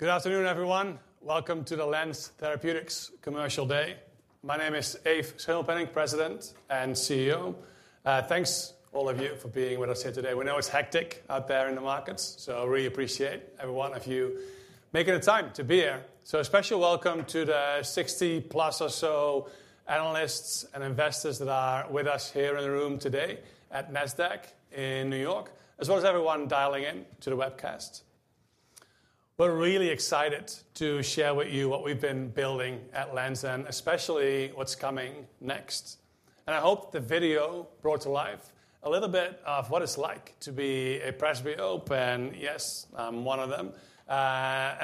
Good afternoon, everyone. Welcome to the LENZ Therapeutics Commercial Day. My name is Eef Schimmelpennink, President and CEO. Thanks, all of you, for being with us here today. We know it's hectic out there in the markets, so I really appreciate every one of you making the time to be here. A special welcome to the 60+ or so analysts and investors that are with us here in the room today at NASDAQ in New York, as well as everyone dialing in to the webcast. We're really excited to share with you what we've been building at LENZ, and especially what's coming next. I hope the video brought to life a little bit of what it's like to be a presbyope. Yes, I'm one of them.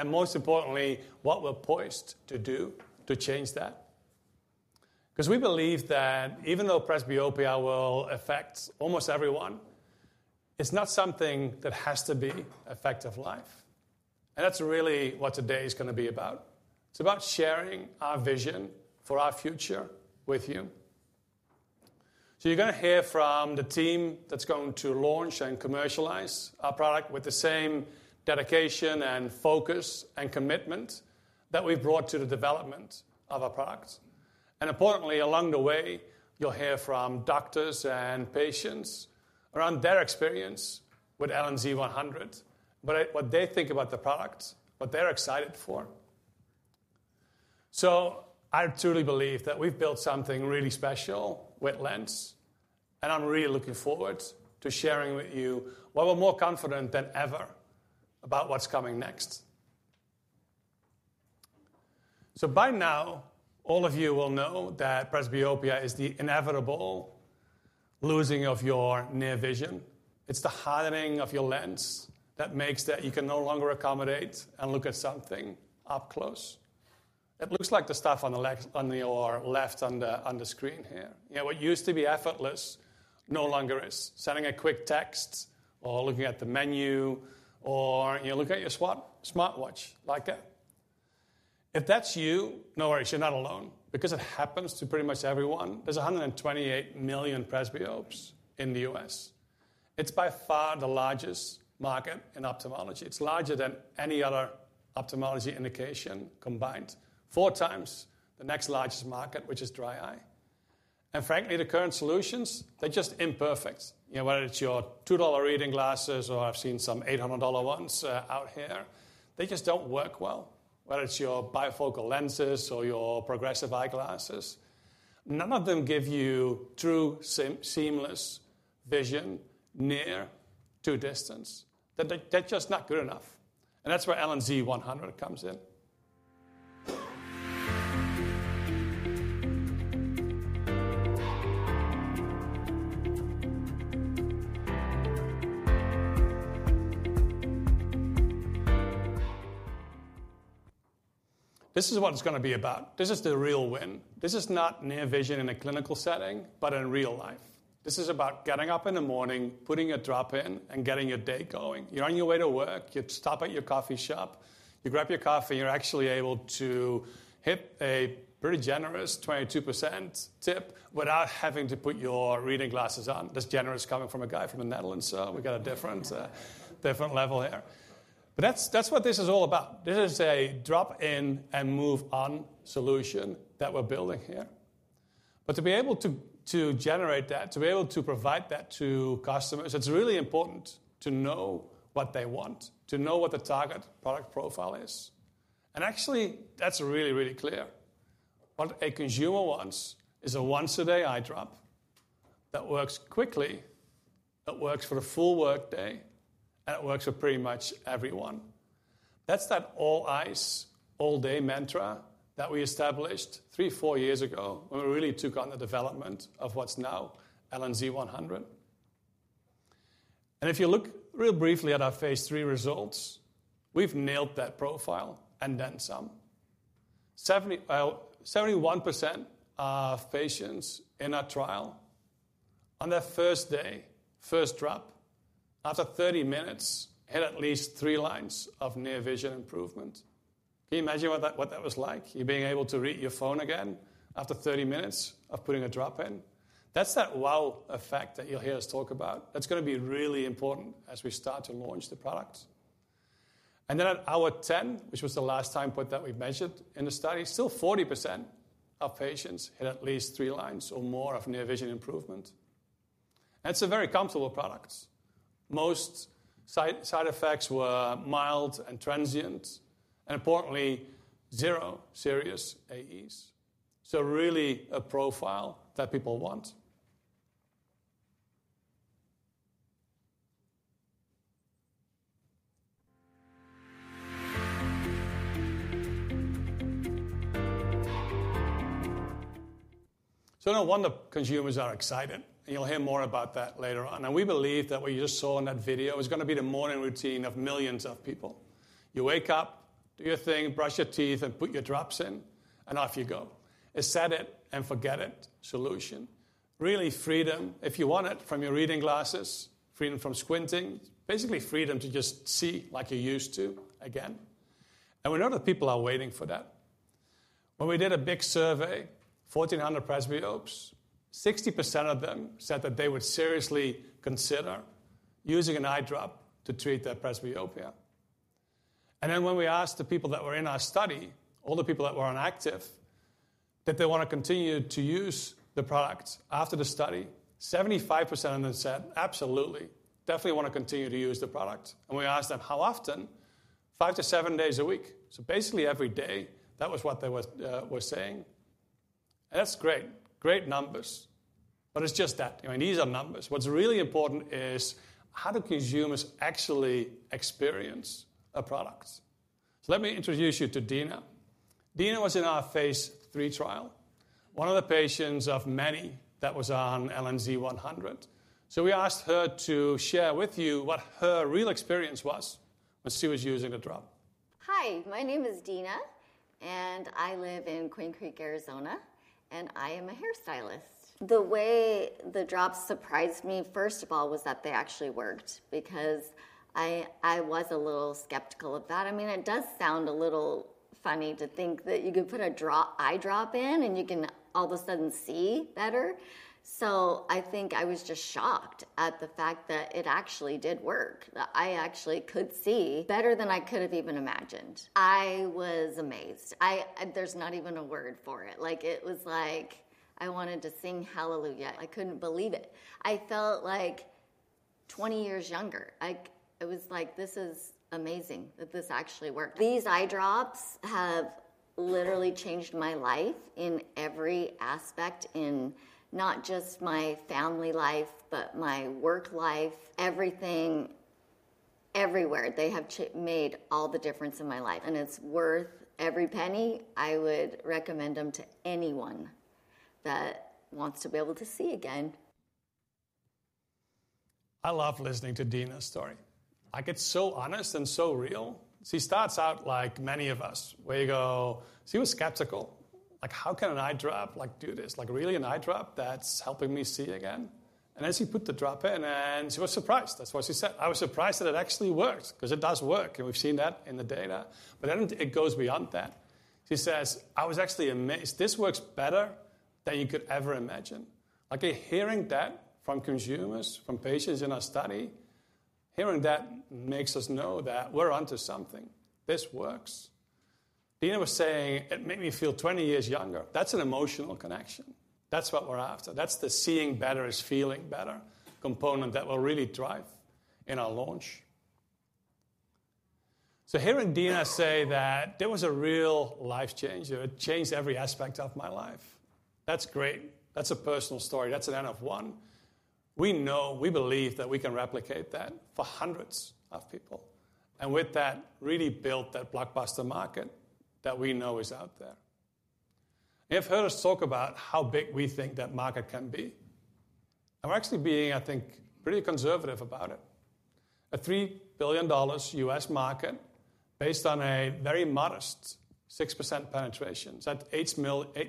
Most importantly, what we're poised to do to change that. Because we believe that even though presbyopia will affect almost everyone, it's not something that has to be a fact of life. That is really what today is going to be about. It's about sharing our vision for our future with you. You're going to hear from the team that's going to launch and commercialize our product with the same dedication and focus and commitment that we've brought to the development of our products. Importantly, along the way, you'll hear from doctors and patients around their experience with LNZ100, what they think about the product, what they're excited for. I truly believe that we've built something really special with LENZ. I'm really looking forward to sharing with you what we're more confident than ever about what's coming next. By now, all of you will know that presbyopia is the inevitable losing of your near vision. It's the hardening of your lens that makes that you can no longer accommodate and look at something up close. It looks like the stuff on your left on the screen here. What used to be effortless no longer is. Sending a quick text or looking at the menu or looking at your smartwatch like that. If that's you, no worries, you're not alone. Because it happens to pretty much everyone. There's 128 million presbyopes in the U.S. It's by far the largest market in ophthalmology. It's larger than any other ophthalmology indication combined, 4x the next largest market, which is dry eye. Frankly, the current solutions, they're just imperfect. Whether it's your $2 reading glasses or I've seen some $800 ones out here, they just don't work well. Whether it's your bifocal lenses or your progressive eyeglasses, none of them give you true seamless vision near to distance. They're just not good enough. That is where LNZ100 comes in. This is what it's going to be about. This is the real win. This is not near vision in a clinical setting, but in real life. This is about getting up in the morning, putting a drop in, and getting your day going. You're on your way to work. You stop at your coffee shop. You grab your coffee. You're actually able to hit a pretty generous 22% tip without having to put your reading glasses on. That's generous coming from a guy from the Netherlands. We have a different level here. That is what this is all about. This is a drop in and move on solution that we're building here. To be able to generate that, to be able to provide that to customers, it's really important to know what they want, to know what the target product profile is. Actually, that's really, really clear. What a consumer wants is a once-a-day eye drop that works quickly, that works for the full workday, and it works for pretty much everyone. That's that all eyes, all day mantra that we established three, four years ago when we really took on the development of what's now LNZ100. If you look real briefly at our phase III results, we've nailed that profile and then some. 71% of patients in our trial, on their first day, first drop, after 30 minutes, had at least three lines of near vision improvement. Can you imagine what that was like? You being able to read your phone again after 30 minutes of putting a drop in. That's that wow effect that you'll hear us talk about. That is going to be really important as we start to launch the product. At hour 10, which was the last time point that we've mentioned in the study, still 40% of patients had at least three lines or more of near vision improvement. That is a very comfortable product. Most side effects were mild and transient. Importantly, zero serious AEs. Really a profile that people want. No wonder consumers are excited. You'll hear more about that later on. We believe that what you just saw in that video is going to be the morning routine of millions of people. You wake up, do your thing, brush your teeth, and put your drops in. Off you go. A set it and forget it solution. Really freedom, if you want it, from your reading glasses. Freedom from squinting. Basically, freedom to just see like you're used to again. We know that people are waiting for that. When we did a big survey, 1,400 presbyopes, 60% of them said that they would seriously consider using an eye drop to treat their presbyopia. When we asked the people that were in our study, all the people that were on active, did they want to continue to use the product after the study? 75% of them said, absolutely. Definitely want to continue to use the product. We asked them how often. Five to seven days a week. Basically, every day, that was what they were saying. That's great. Great numbers. It's just that. I mean, these are numbers. What's really important is how do consumers actually experience a product? Let me introduce you to Dina. Dina was in our phase III trial, one of the patients of many that was on LNZ100. We asked her to share with you what her real experience was when she was using a drop. Hi. My name is Dina. I live in Queen Creek, Arizona. I am a hairstylist. The way the drops surprised me, first of all, was that they actually worked. I was a little skeptical of that. I mean, it does sound a little funny to think that you could put an eye drop in and you can all of a sudden see better. I think I was just shocked at the fact that it actually did work. That I actually could see better than I could have even imagined. I was amazed. There is not even a word for it. It was like I wanted to sing Hallelujah. I could not believe it. I felt like 20 years younger. It was like, this is amazing that this actually worked. These eye drops have literally changed my life in every aspect, in not just my family life, but my work life. Everything, everywhere. They have made all the difference in my life. It is worth every penny. I would recommend them to anyone that wants to be able to see again. I love listening to Dina's story. I get so honest and so real. She starts out like many of us, where you go, she was skeptical. Like, how can an eye drop do this? Like, really an eye drop that's helping me see again? She put the drop in. She was surprised. That's what she said. I was surprised that it actually works. Because it does work. We've seen that in the data. It goes beyond that. She says, I was actually amazed. This works better than you could ever imagine. Like, hearing that from consumers, from patients in our study, hearing that makes us know that we're onto something. This works. Dina was saying, it made me feel 20 years younger. That's an emotional connection. That's what we're after. That's the seeing better is feeling better component that will really drive in our launch. Hearing Dina say that there was a real life changer, it changed every aspect of my life. That's great. That's a personal story. That's an NF1. We know, we believe that we can replicate that for hundreds of people. With that, really build that blockbuster market that we know is out there. You've heard us talk about how big we think that market can be. We're actually being, I think, pretty conservative about it. A $3 billion U.S. market based on a very modest 6% penetration. It's at 8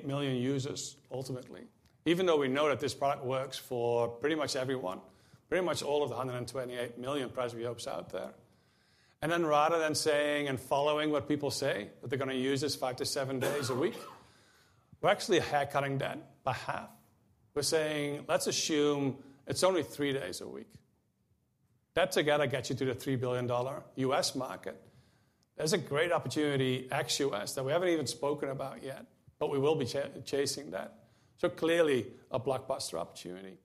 million users ultimately. Even though we know that this product works for pretty much everyone, pretty much all of the 128 million presbyopes out there. Rather than saying and following what people say, that they're going to use this five to seven days a week, we're actually haircutting that by half. We're saying, let's assume it's only three days a week. That together gets you to the $3 billion U.S. market. There's a great opportunity ex-U.S. that we haven't even spoken about yet. We will be chasing that. Clearly, a blockbuster opportunity.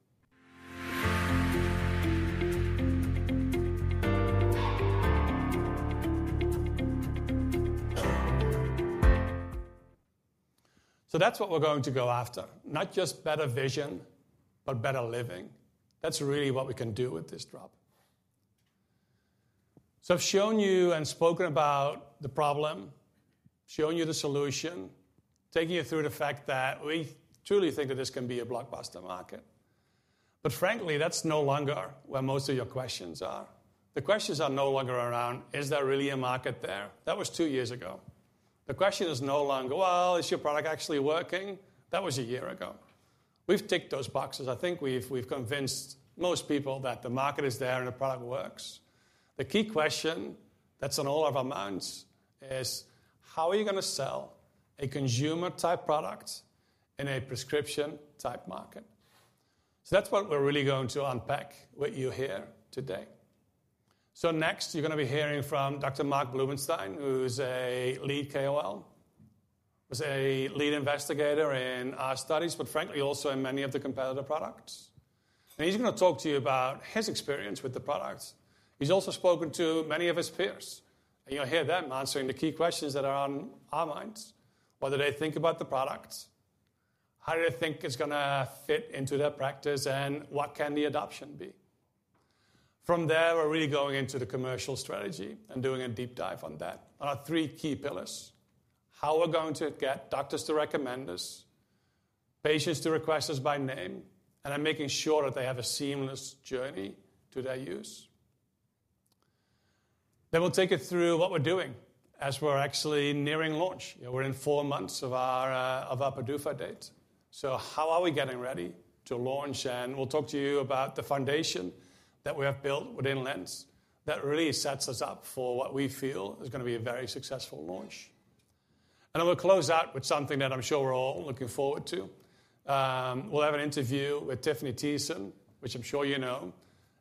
That's what we're going to go after. Not just better vision, but better living. That's really what we can do with this drop. I've shown you and spoken about the problem. Shown you the solution. Taking you through the fact that we truly think that this can be a blockbuster market. Frankly, that's no longer where most of your questions are. The questions are no longer around, is there really a market there? That was two years ago. The question is no longer, well, is your product actually working? That was a year ago. We've ticked those boxes. I think we've convinced most people that the market is there and the product works. The key question that's on all of our minds is, how are you going to sell a consumer type product in a prescription type market? That's what we're really going to unpack with you here today. Next, you're going to be hearing from Dr. Marc Bloomenstein, who's a lead KOL. He's a lead investigator in our studies, but frankly, also in many of the competitor products. He's going to talk to you about his experience with the product. He's also spoken to many of his peers. You'll hear them answering the key questions that are on our minds. What do they think about the product? How do they think it's going to fit into their practice? And what can the adoption be? From there, we're really going into the commercial strategy and doing a deep dive on that. There are three key pillars. How we're going to get doctors to recommend us, patients to request us by name, and then making sure that they have a seamless journey to their use. We will take you through what we're doing as we're actually nearing launch. We're in four months of our PDUFA date. How are we getting ready to launch? We will talk to you about the foundation that we have built within LENZ that really sets us up for what we feel is going to be a very successful launch. We will close out with something that I'm sure we're all looking forward to. We'll have an interview with Tiffani Thiessen, which I'm sure you know.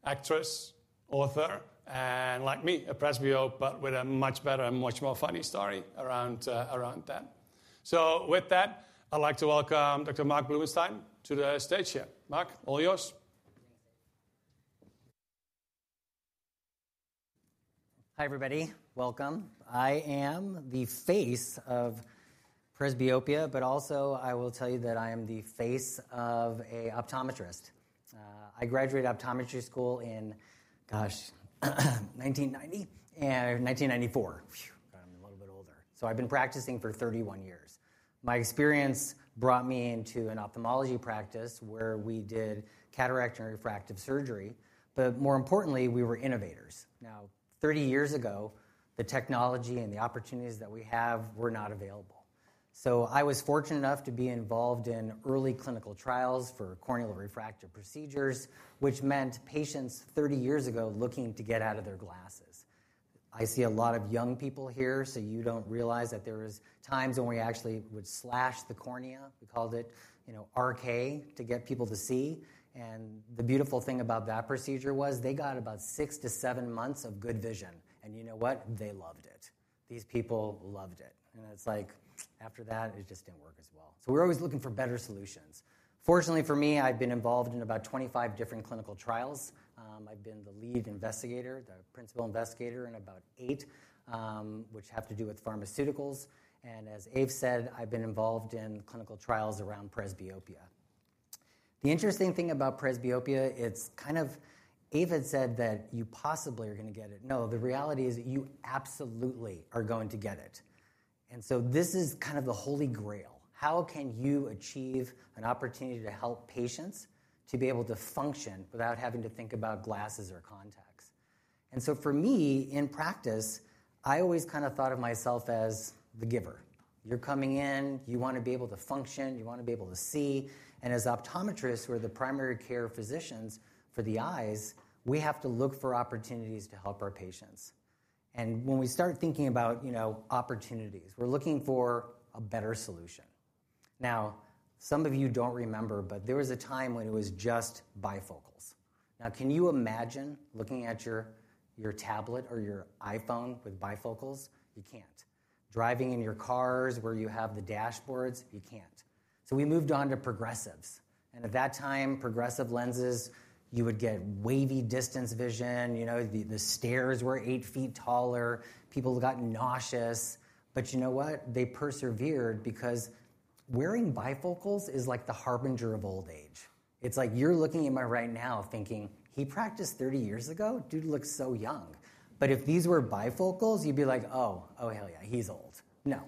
Actress, author, and like me, a presbyope, but with a much better and much more funny story around that. With that, I'd like to welcome Dr. Marc Bloomenstein to the stage here. Marc, all yours. Hi, everybody. Welcome. I am the face of presbyopia. But also, I will tell you that I am the face of an optometrist. I graduated optometry school in, gosh, 1990, 1994. I'm a little bit older. So I've been practicing for 31 years. My experience brought me into an ophthalmology practice where we did cataract and refractive surgery. But more importantly, we were innovators. Now, 30 years ago, the technology and the opportunities that we have were not available. I was fortunate enough to be involved in early clinical trials for corneal refractive procedures, which meant patients 30 years ago looking to get out of their glasses. I see a lot of young people here. You don't realize that there were times when we actually would slash the cornea. We called it RK to get people to see. The beautiful thing about that procedure was they got about six to seven months of good vision. You know what? They loved it. These people loved it. It's like, after that, it just didn't work as well. We're always looking for better solutions. Fortunately for me, I've been involved in about 25 different clinical trials. I've been the lead investigator, the principal investigator in about eight, which have to do with pharmaceuticals. As Ave said, I've been involved in clinical trials around presbyopia. The interesting thing about presbyopia, it's kind of Ave had said that you possibly are going to get it. No, the reality is that you absolutely are going to get it. This is kind of the Holy Grail. How can you achieve an opportunity to help patients to be able to function without having to think about glasses or contacts? For me, in practice, I always kind of thought of myself as the giver. You're coming in. You want to be able to function. You want to be able to see. As optometrists, we're the primary care physicians for the eyes. We have to look for opportunities to help our patients. When we start thinking about opportunities, we're looking for a better solution. Some of you don't remember, but there was a time when it was just bifocals. Can you imagine looking at your tablet or your iPhone with bifocals? You can't. Driving in your cars where you have the dashboards, you can't. We moved on to progressives. At that time, progressive lenses, you would get wavy distance vision. The stairs were eight feet taller. People got nauseous. You know what? They persevered. Because wearing bifocals is like the harbinger of old age. It's like you're looking at me right now thinking, he practiced 30 years ago? Dude looks so young. If these were bifocals, you'd be like, oh, oh hell yeah, he's old. No.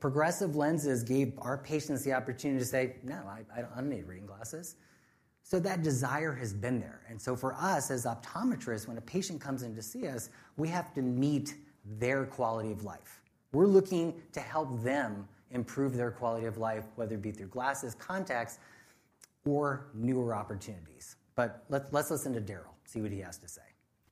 Progressive lenses gave our patients the opportunity to say, no, I don't need reading glasses. That desire has been there. For us as optometrists, when a patient comes in to see us, we have to meet their quality of life. We're looking to help them improve their quality of life, whether it be through glasses, contacts, or newer opportunities. Let's listen to Darryl. See what he has to say.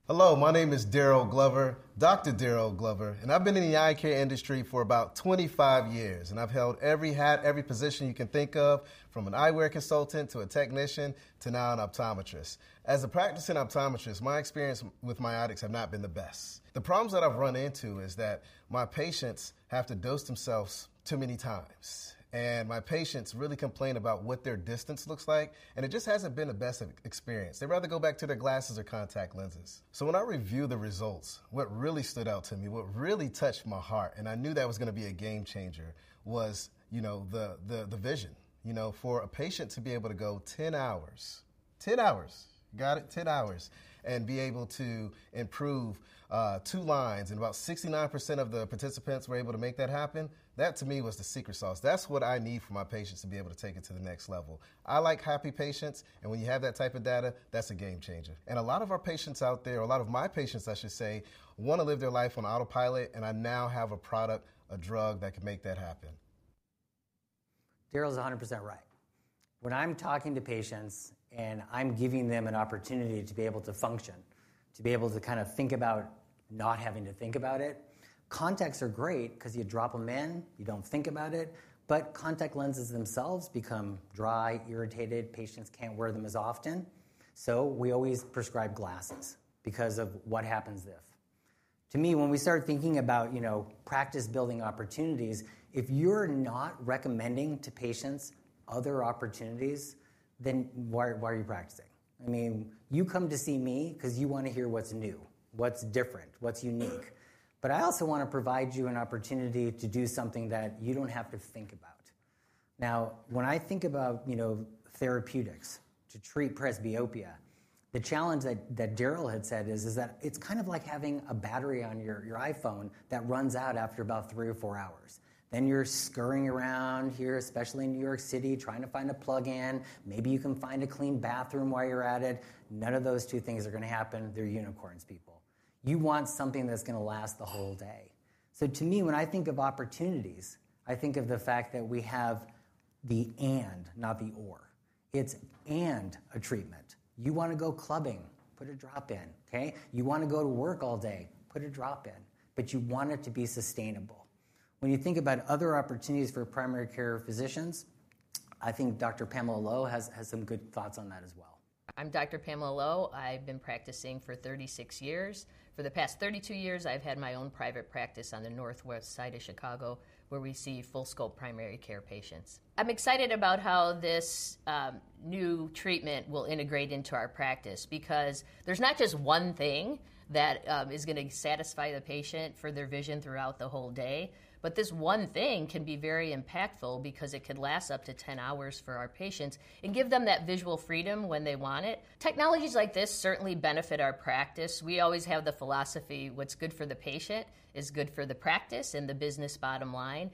Hello. My name is Dr. Darryl Glover. And I've been in the eye care industry for about 25 years. I've held every hat, every position you can think of, from an eyewear consultant to a technician to now an optometrist. As a practicing optometrist, my experience with my optics have not been the best. The problems that I've run into is that my patients have to dose themselves too many times. My patients really complain about what their distance looks like. It just hasn't been the best experience. They'd rather go back to their glasses or contact lenses. When I review the results, what really stood out to me, what really touched my heart, and I knew that was going to be a game changer, was the vision. For a patient to be able to go 10 hours, 10 hours, got it, 10 hours, and be able to improve two lines, and about 69% of the participants were able to make that happen, that to me was the secret sauce. That is what I need for my patients to be able to take it to the next level. I like happy patients. When you have that type of data, that is a game changer. A lot of our patients out there, a lot of my patients, I should say, want to live their life on autopilot. I now have a product, a drug that can make that happen. Darryl is 100% right. When I'm talking to patients and I'm giving them an opportunity to be able to function, to be able to kind of think about not having to think about it, contacts are great. Because you drop them in, you don't think about it. But contact lenses themselves become dry, irritated. Patients can't wear them as often. We always prescribe glasses because of what happens if. To me, when we start thinking about practice building opportunities, if you're not recommending to patients other opportunities, then why are you practicing? I mean, you come to see me because you want to hear what's new, what's different, what's unique. I also want to provide you an opportunity to do something that you don't have to think about. Now, when I think about therapeutics to treat presbyopia, the challenge that Darryl had said is that it's kind of like having a battery on your iPhone that runs out after about three or four hours. Then you're scurrying around here, especially in New York City, trying to find a plug in. Maybe you can find a clean bathroom while you're at it. None of those two things are going to happen. They're unicorns, people. You want something that's going to last the whole day. To me, when I think of opportunities, I think of the fact that we have the and, not the or. It's and a treatment. You want to go clubbing, put a drop in. You want to go to work all day, put a drop in. You want it to be sustainable. When you think about other opportunities for primary care physicians, I think Dr. Pamela Lo has some good thoughts on that as well. I'm Dr. Pamela Lo. I've been practicing for 36 years. For the past 32 years, I've had my own private practice on the northwest side of Chicago where we see full scope primary care patients. I'm excited about how this new treatment will integrate into our practice. There is not just one thing that is going to satisfy the patient for their vision throughout the whole day. This one thing can be very impactful because it could last up to 10 hours for our patients and give them that visual freedom when they want it. Technologies like this certainly benefit our practice. We always have the philosophy, what's good for the patient is good for the practice and the business bottom line.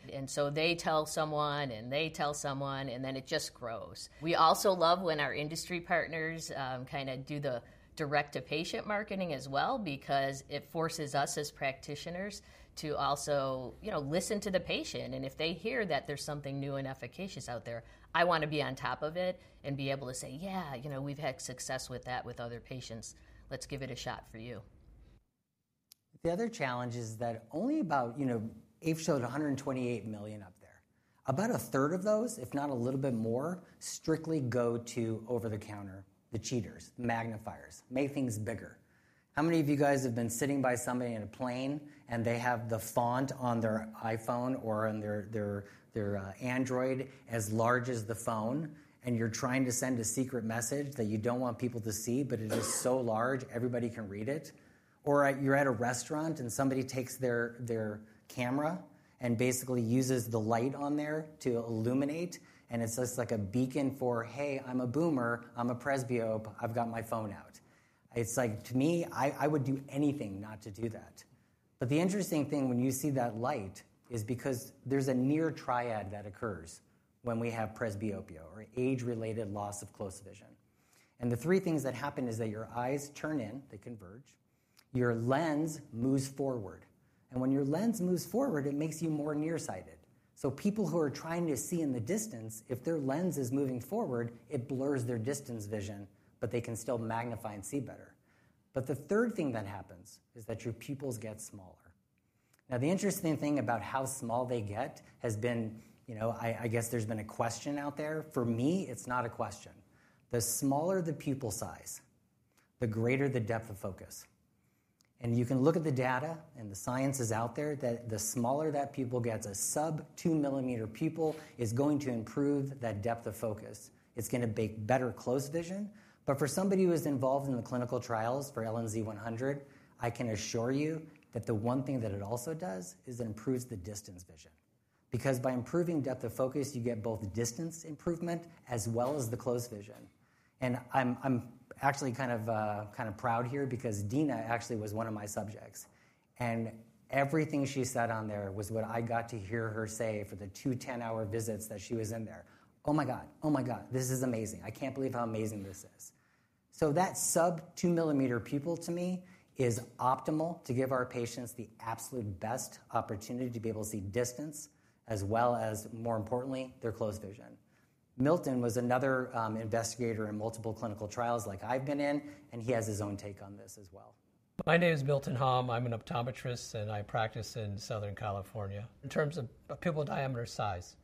They tell someone, and they tell someone, and then it just grows. We also love when our industry partners kind of do the direct-to-patient marketing as well. Because it forces us as practitioners to also listen to the patient. If they hear that there's something new and efficacious out there, I want to be on top of it and be able to say, yeah, we've had success with that with other patients. Let's give it a shot for you. The other challenge is that only about, I think, we showed 128 million up there. About a third of those, if not a little bit more, strictly go to over-the-counter, the cheaters, the magnifiers, make things bigger. How many of you guys have been sitting by somebody in a plane and they have the font on their iPhone or on their Android as large as the phone, and you're trying to send a secret message that you don't want people to see, but it is so large, everybody can read it? You are at a restaurant and somebody takes their camera and basically uses the light on there to illuminate. It is just like a beacon for, hey, I'm a boomer. I'm a presbyope. I've got my phone out. To me, I would do anything not to do that. The interesting thing when you see that light is because there's a near triad that occurs when we have presbyopia or age-related loss of close vision. The three things that happen is that your eyes turn in, they converge, your lens moves forward. When your lens moves forward, it makes you more nearsighted. People who are trying to see in the distance, if their lens is moving forward, it blurs their distance vision, but they can still magnify and see better. The third thing that happens is that your pupils get smaller. The interesting thing about how small they get has been, I guess there's been a question out there. For me, it's not a question. The smaller the pupil size, the greater the depth of focus. You can look at the data, and the science is out there that the smaller that pupil gets, a sub 2 mm pupil is going to improve that depth of focus. It is going to make better close vision. For somebody who is involved in the clinical trials for LNZ100, I can assure you that the one thing that it also does is it improves the distance vision. Because by improving depth of focus, you get both distance improvement as well as the close vision. I am actually kind of proud here because Dina actually was one of my subjects. Everything she said on there was what I got to hear her say for the two 10-hour visits that she was in there. Oh my god, oh my god, this is amazing. I cannot believe how amazing this is. That sub 2 millimeter pupil to me is optimal to give our patients the absolute best opportunity to be able to see distance as well as, more importantly, their close vision. Milton was another investigator in multiple clinical trials like I've been in. He has his own take on this as well. My name is Milton Hom. I'm an optometrist, and I practice in Southern California. In terms of pupil diameter size,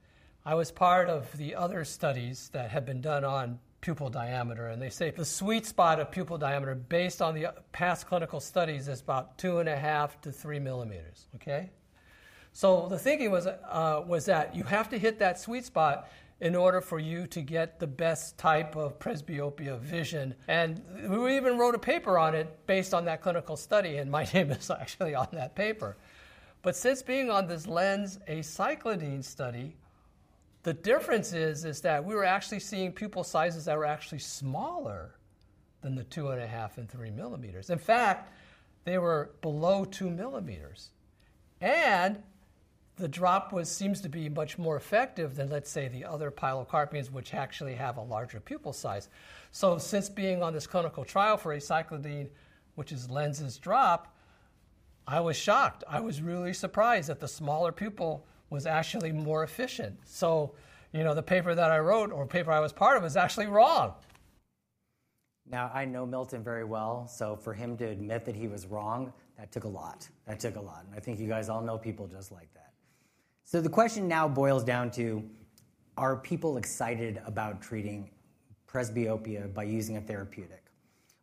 I was part of the other studies that have been done on pupil diameter. They say the sweet spot of pupil diameter based on the past clinical studies is about 2.5 mm-3 mm. The thinking was that you have to hit that sweet spot in order for you to get the best type of presbyopia vision. We even wrote a paper on it based on that clinical study. My name is actually on that paper. Since being on this LENZ aceclidine study, the difference is that we were actually seeing pupil sizes that were actually smaller than the 2.5 mm-3 mm. In fact, they were below 2 mm. The drop seems to be much more effective than, let's say, the other pilocarpines, which actually have a larger pupil size. Since being on this clinical trial for aceclidine, which is LENZ's drop, I was shocked. I was really surprised that the smaller pupil was actually more efficient. The paper that I wrote, or paper I was part of, was actually wrong. Now, I know Milton very well. For him to admit that he was wrong, that took a lot. That took a lot. I think you guys all know people just like that. The question now boils down to, are people excited about treating presbyopia by using a therapeutic?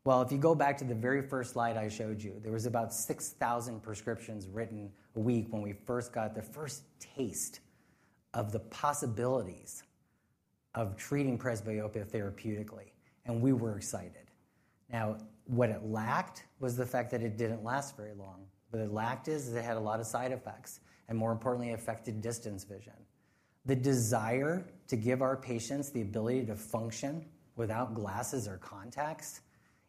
If you go back to the very first slide I showed you, there were about 6,000 prescriptions written a week when we first got the first taste of the possibilities of treating presbyopia therapeutically. We were excited. What it lacked was the fact that it did not last very long. What it lacked is it had a lot of side effects. More importantly, it affected distance vision. The desire to give our patients the ability to function without glasses or contacts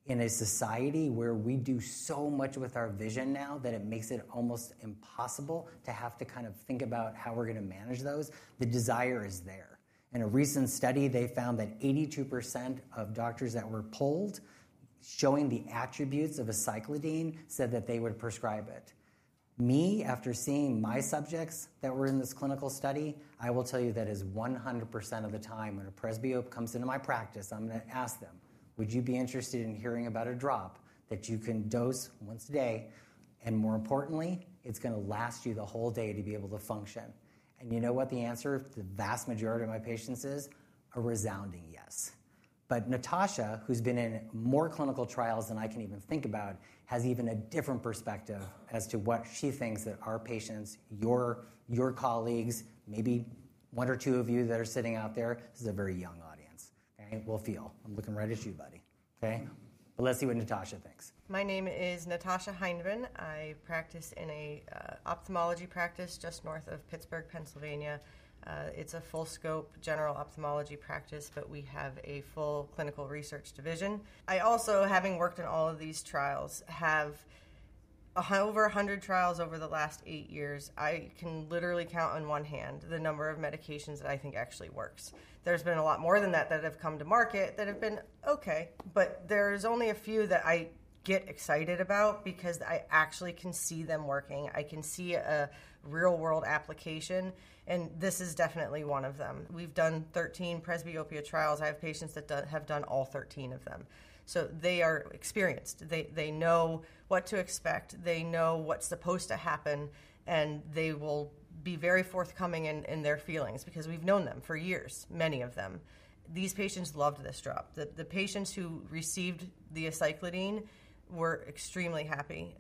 in a society where we do so much with our vision now that it makes it almost impossible to have to kind of think about how we're going to manage those, the desire is there. In a recent study, they found that 82% of doctors that were polled showing the attributes of aceclidine said that they would prescribe it. Me, after seeing my subjects that were in this clinical study, I will tell you that is 100% of the time when a presbyope comes into my practice, I'm going to ask them, would you be interested in hearing about a drop that you can dose once a day? More importantly, it's going to last you the whole day to be able to function. You know what the answer to the vast majority of my patients is? A resounding yes. Natasha, who's been in more clinical trials than I can even think about, has even a different perspective as to what she thinks that our patients, your colleagues, maybe one or two of you that are sitting out there, this is a very young audience, will feel. I'm looking right at you, buddy. Let's see what Natasha thinks. My name is Natasha Heinven. I practice in an ophthalmology practice just north of Pittsburgh, Pennsylvania. It's a full scope general ophthalmology practice, but we have a full clinical research division. I also, having worked in all of these trials, have over 100 trials over the last eight years. I can literally count on one hand the number of medications that I think actually works. There's been a lot more than that that have come to market that have been OK. There's only a few that I get excited about because I actually can see them working. I can see a real-world application. This is definitely one of them. We've done 13 presbyopia trials. I have patients that have done all 13 of them. They are experienced. They know what to expect. They know what's supposed to happen. They will be very forthcoming in their feelings because we've known them for years, many of them. These patients loved this drop. The patients who received the aceclidine were extremely happy.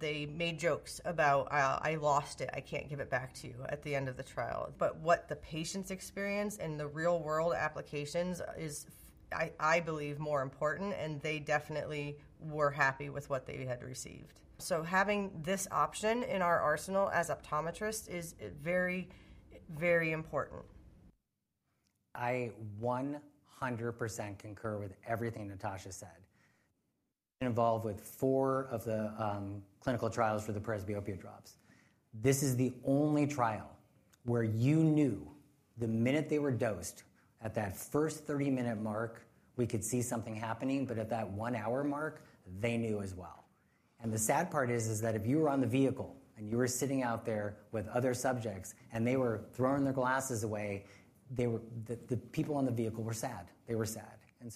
They made jokes about, I lost it. I can't give it back to you at the end of the trial. What the patients experience and the real-world applications is, I believe, more important. They definitely were happy with what they had received. Having this option in our arsenal as optometrists is very, very important. I 100% concur with everything Natasha said. Involved with four of the clinical trials for the presbyopia drops. This is the only trial where you knew the minute they were dosed, at that first 30-minute Marc, we could see something happening. At that one-hour Marc, they knew as well. The sad part is that if you were on the vehicle and you were sitting out there with other subjects and they were throwing their glasses away, the people on the vehicle were sad. They were sad.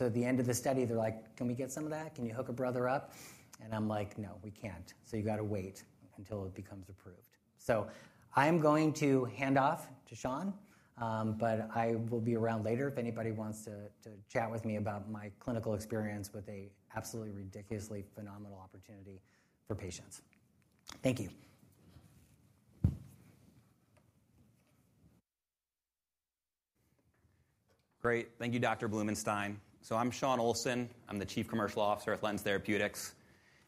At the end of the study, they're like, can we get some of that? Can you hook a brother up? I'm like, no, we can't. You have to wait until it becomes approved. I am going to hand off to Sean. I will be around later if anybody wants to chat with me about my clinical experience with an absolutely ridiculously phenomenal opportunity for patients. Thank you. Great. Thank you, Dr. Bloomenstein. I'm Sean Olsson. I'm the Chief Commercial Officer at LENZ Therapeutics.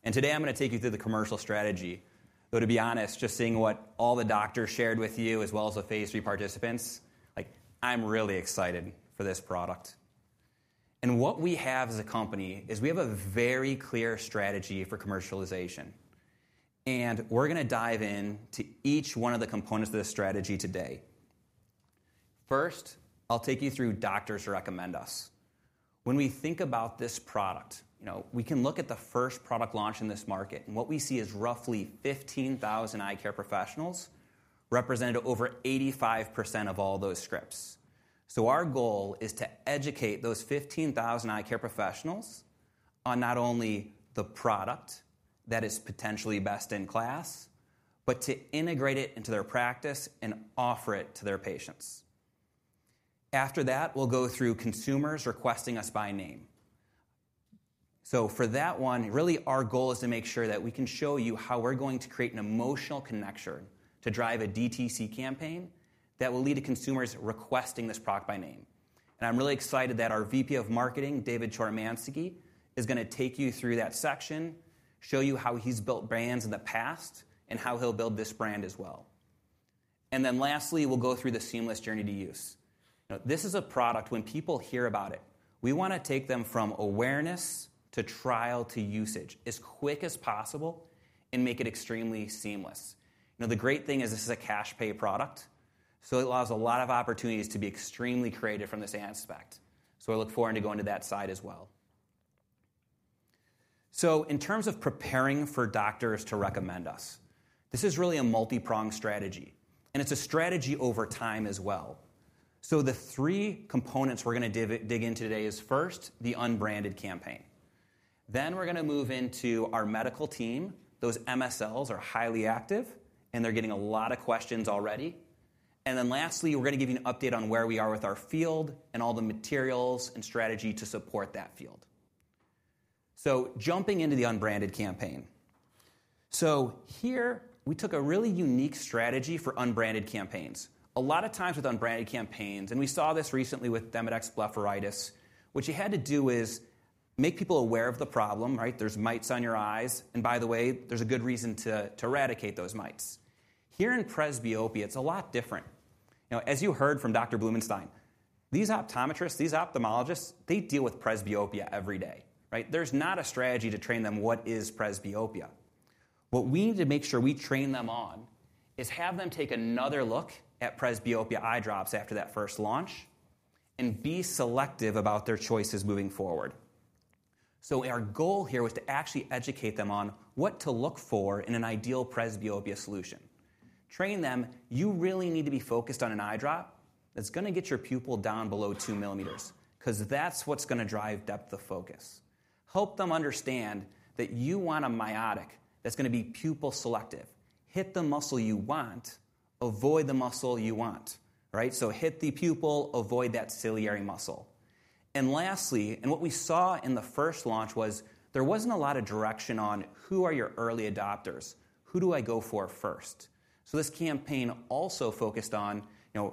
Today, I'm going to take you through the commercial strategy. To be honest, just seeing what all the doctors shared with you as well as the phase III participants, I'm really excited for this product. What we have as a company is a very clear strategy for commercialization. We're going to dive into each one of the components of this strategy today. First, I'll take you through doctors who recommend us. When we think about this product, we can look at the first product launch in this market. What we see is roughly 15,000 eye care professionals represented over 85% of all those scripts. Our goal is to educate those 15,000 eye care professionals on not only the product that is potentially best in class, but to integrate it into their practice and offer it to their patients. After that, we'll go through consumers requesting us by name. For that one, really, our goal is to make sure that we can show you how we're going to create an emotional connection to drive a DTC campaign that will lead to consumers requesting this product by name. I'm really excited that our VP of marketing, David Choromanski, is going to take you through that section, show you how he's built brands in the past, and how he'll build this brand as well. Lastly, we'll go through the seamless journey to use. This is a product when people hear about it, we want to take them from awareness to trial to usage as quick as possible and make it extremely seamless. The great thing is this is a cash-pay product. It allows a lot of opportunities to be extremely creative from this aspect. I look forward to going to that side as well. In terms of preparing for doctors to recommend us, this is really a multi-pronged strategy. It is a strategy over time as well. The three components we're going to dig into today is first, the unbranded campaign. Then we're going to move into our medical team. Those MSLs are highly active, and they're getting a lot of questions already. Lastly, we're going to give you an update on where we are with our field and all the materials and strategy to support that field. Jumping into the unbranded campaign. Here, we took a really unique strategy for unbranded campaigns. A lot of times with unbranded campaigns, and we saw this recently with Demodex Bblepharitis, what you had to do is make people aware of the problem. There's mites on your eyes. By the way, there's a good reason to eradicate those mites. Here in presbyopia, it's a lot different. As you heard from Dr. Bloomenstein, these optometrists, these ophthalmologists, they deal with presbyopia every day. There's not a strategy to train them what is presbyopia. What we need to make sure we train them on is have them take another look at presbyopia eye drops after that first launch and be selective about their choices moving forward. Our goal here was to actually educate them on what to look for in an ideal presbyopia solution. Train them. You really need to be focused on an eye drop that's going to get your pupil down below 2 mm because that's what's going to drive depth of focus. Help them understand that you want a miotic that's going to be pupil selective. Hit the muscle you want. Avoid the muscle you want. Hit the pupil. Avoid that ciliary muscle. Lastly, what we saw in the first launch was there wasn't a lot of direction on who are your early adopters. Who do I go for first? This campaign also focused on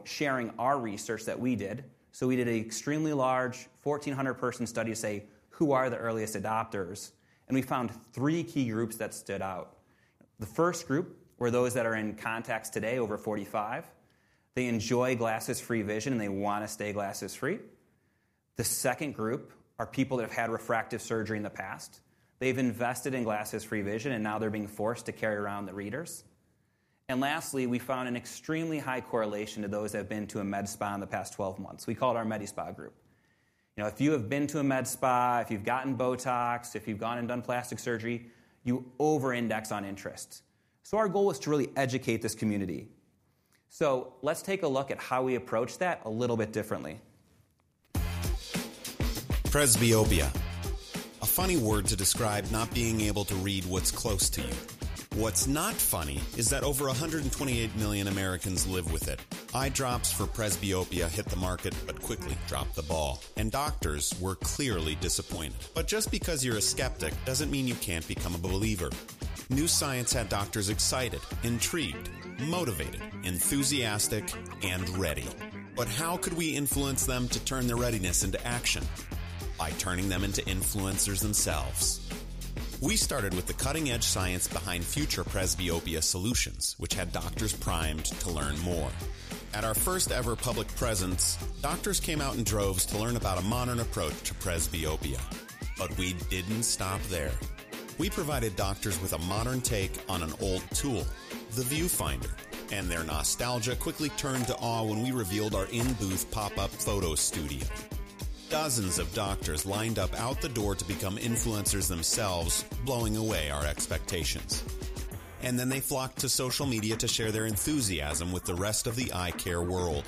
sharing our research that we did. We did an extremely large 1,400-person study to say, who are the earliest adopters? We found three key groups that stood out. The first group were those that are in contacts today, over 45. They enjoy glasses-free vision, and they want to stay glasses-free. The second group are people that have had refractive surgery in the past. They've invested in glasses-free vision, and now they're being forced to carry around the readers. Lastly, we found an extremely high correlation to those that have been to a med spa in the past 12 months. We called our MediSpa group. If you have been to a med spa, if you've gotten Botox, if you've gone and done plastic surgery, you over-index on interest. Our goal was to really educate this community. Let's take a look at how we approach that a little bit differently. Presbyopia. A funny word to describe not being able to read what's close to you. What's not funny is that over 128 million Americans live with it. Eye drops for presbyopia hit the market but quickly dropped the ball. Doctors were clearly disappointed. Just because you're a skeptic doesn't mean you can't become a believer. New science had doctors excited, intrigued, motivated, enthusiastic, and ready. How could we influence them to turn their readiness into action? By turning them into influencers themselves. We started with the cutting-edge science behind future presbyopia solutions, which had doctors primed to learn more. At our first ever public presence, doctors came out in droves to learn about a modern approach to presbyopia. We did not stop there. We provided doctors with a modern take on an old tool, the viewfinder. Their nostalgia quickly turned to awe when we revealed our in-booth pop-up photo studio. Dozens of doctors lined up out the door to become influencers themselves, blowing away our expectations. They flocked to social media to share their enthusiasm with the rest of the eye care world.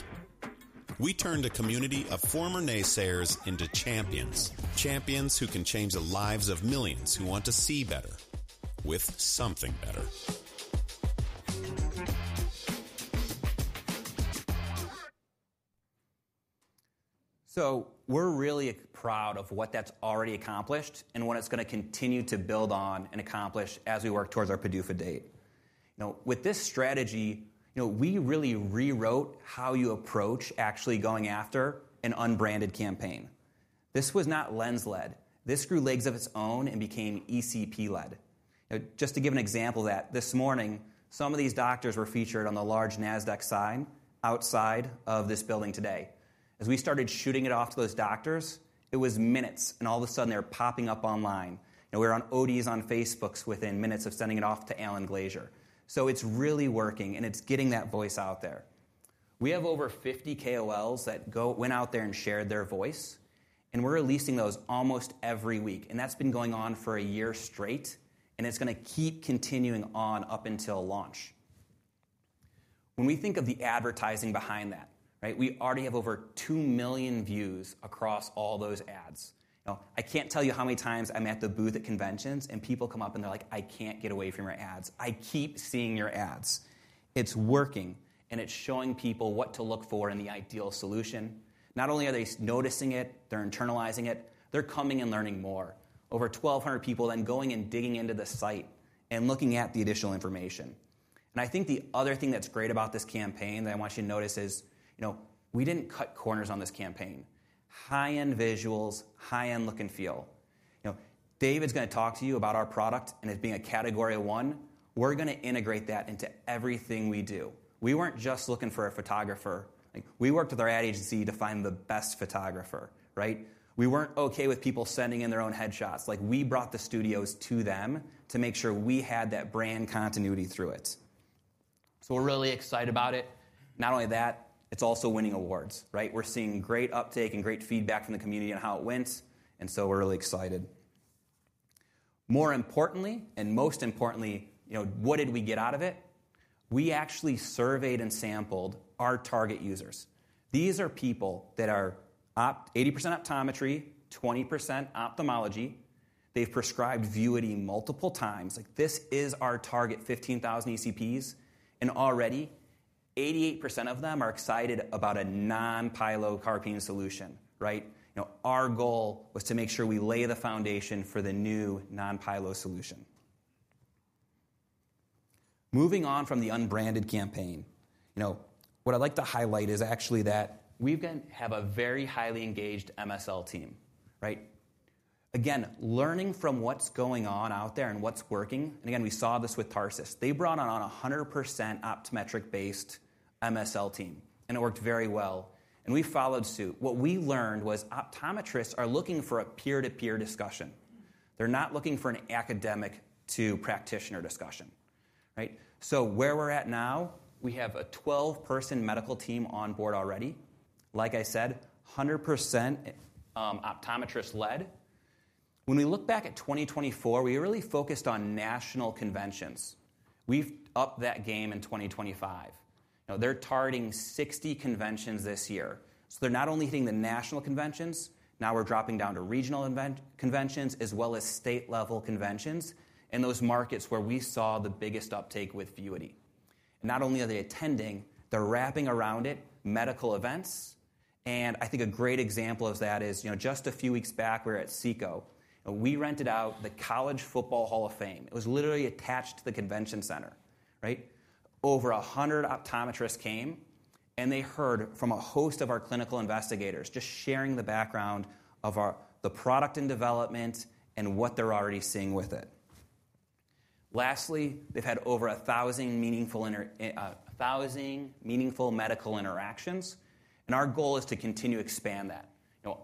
We turned a community of former naysayers into champions. Champions who can change the lives of millions who want to see better with something better. We're really proud of what that's already accomplished and what it's going to continue to build on and accomplish as we work towards our PDUFA date. With this strategy, we really rewrote how you approach actually going after an unbranded campaign. This was not LENZ-led. This grew legs of its own and became ECP-led. Just to give an example of that, this morning, some of these doctors were featured on the large NASDAQ sign outside of this building today. As we started shooting it off to those doctors, it was minutes. All of a sudden, they were popping up online. We were on ODs on Facebooks within minutes of sending it off to Alan Glazier. It's really working, and it's getting that voice out there. We have over 50 KOLs that went out there and shared their voice. We're releasing those almost every week. That's been going on for a year straight. It's going to keep continuing on up until launch. When we think of the advertising behind that, we already have over 2 million views across all those ads. I can't tell you how many times I'm at the booth at conventions, and people come up, and they're like, I can't get away from your ads. I keep seeing your ads. It's working. It's showing people what to look for in the ideal solution. Not only are they noticing it, they're internalizing it. They're coming and learning more. Over 1,200 people then going and digging into the site and looking at the additional information. I think the other thing that's great about this campaign that I want you to notice is we didn't cut corners on this campaign. High-end visuals, high-end look and feel. David's going to talk to you about our product and it being a category one. We're going to integrate that into everything we do. We weren't just looking for a photographer. We worked with our ad agency to find the best photographer. We weren't OK with people sending in their own headshots. We brought the studios to them to make sure we had that brand continuity through it. We're really excited about it. Not only that, it's also winning awards. We're seeing great uptake and great feedback from the community on how it went. We're really excited. More importantly, and most importantly, what did we get out of it? We actually surveyed and sampled our target users. These are people that are 80% optometry, 20% ophthalmology. They've prescribed Vuity multiple times. This is our target, 15,000 ECPs. Already, 88% of them are excited about a non-pilocarpine solution. Our goal was to make sure we lay the foundation for the new non-pilocarpine solution. Moving on from the unbranded campaign, what I'd like to highlight is actually that we've got to have a very highly engaged MSL team. Again, learning from what's going on out there and what's working. We saw this with Tarsus. They brought on a 100% optometric-based MSL team. It worked very well. We followed suit. What we learned was optometrists are looking for a peer-to-peer discussion. They're not looking for an academic-to-practitioner discussion. Where we're at now, we have a 12-person medical team on board already. Like I said, 100% optometrist-led. When we look back at 2024, we were really focused on national conventions. We've upped that game in 2025. They're targeting 60 conventions this year. They're not only hitting the national conventions. Now we're dropping down to regional conventions as well as state-level conventions in those markets where we saw the biggest uptake with Vuity. Not only are they attending, they're wrapping around it medical events. I think a great example of that is just a few weeks back, we were at CECO. We rented out the College Football Hall of Fame. It was literally attached to the convention center. Over 100 optometrists came. They heard from a host of our clinical investigators just sharing the background of the product and development and what they're already seeing with it. Lastly, they've had over 1,000 meaningful medical interactions. Our goal is to continue to expand that.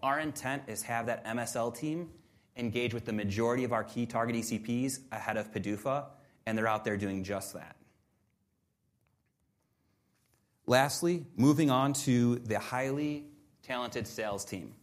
Our intent is to have that MSL team engage with the majority of our key target ECPs ahead of PDUFA. They're out there doing just that. Lastly, moving on to the highly talented sales team.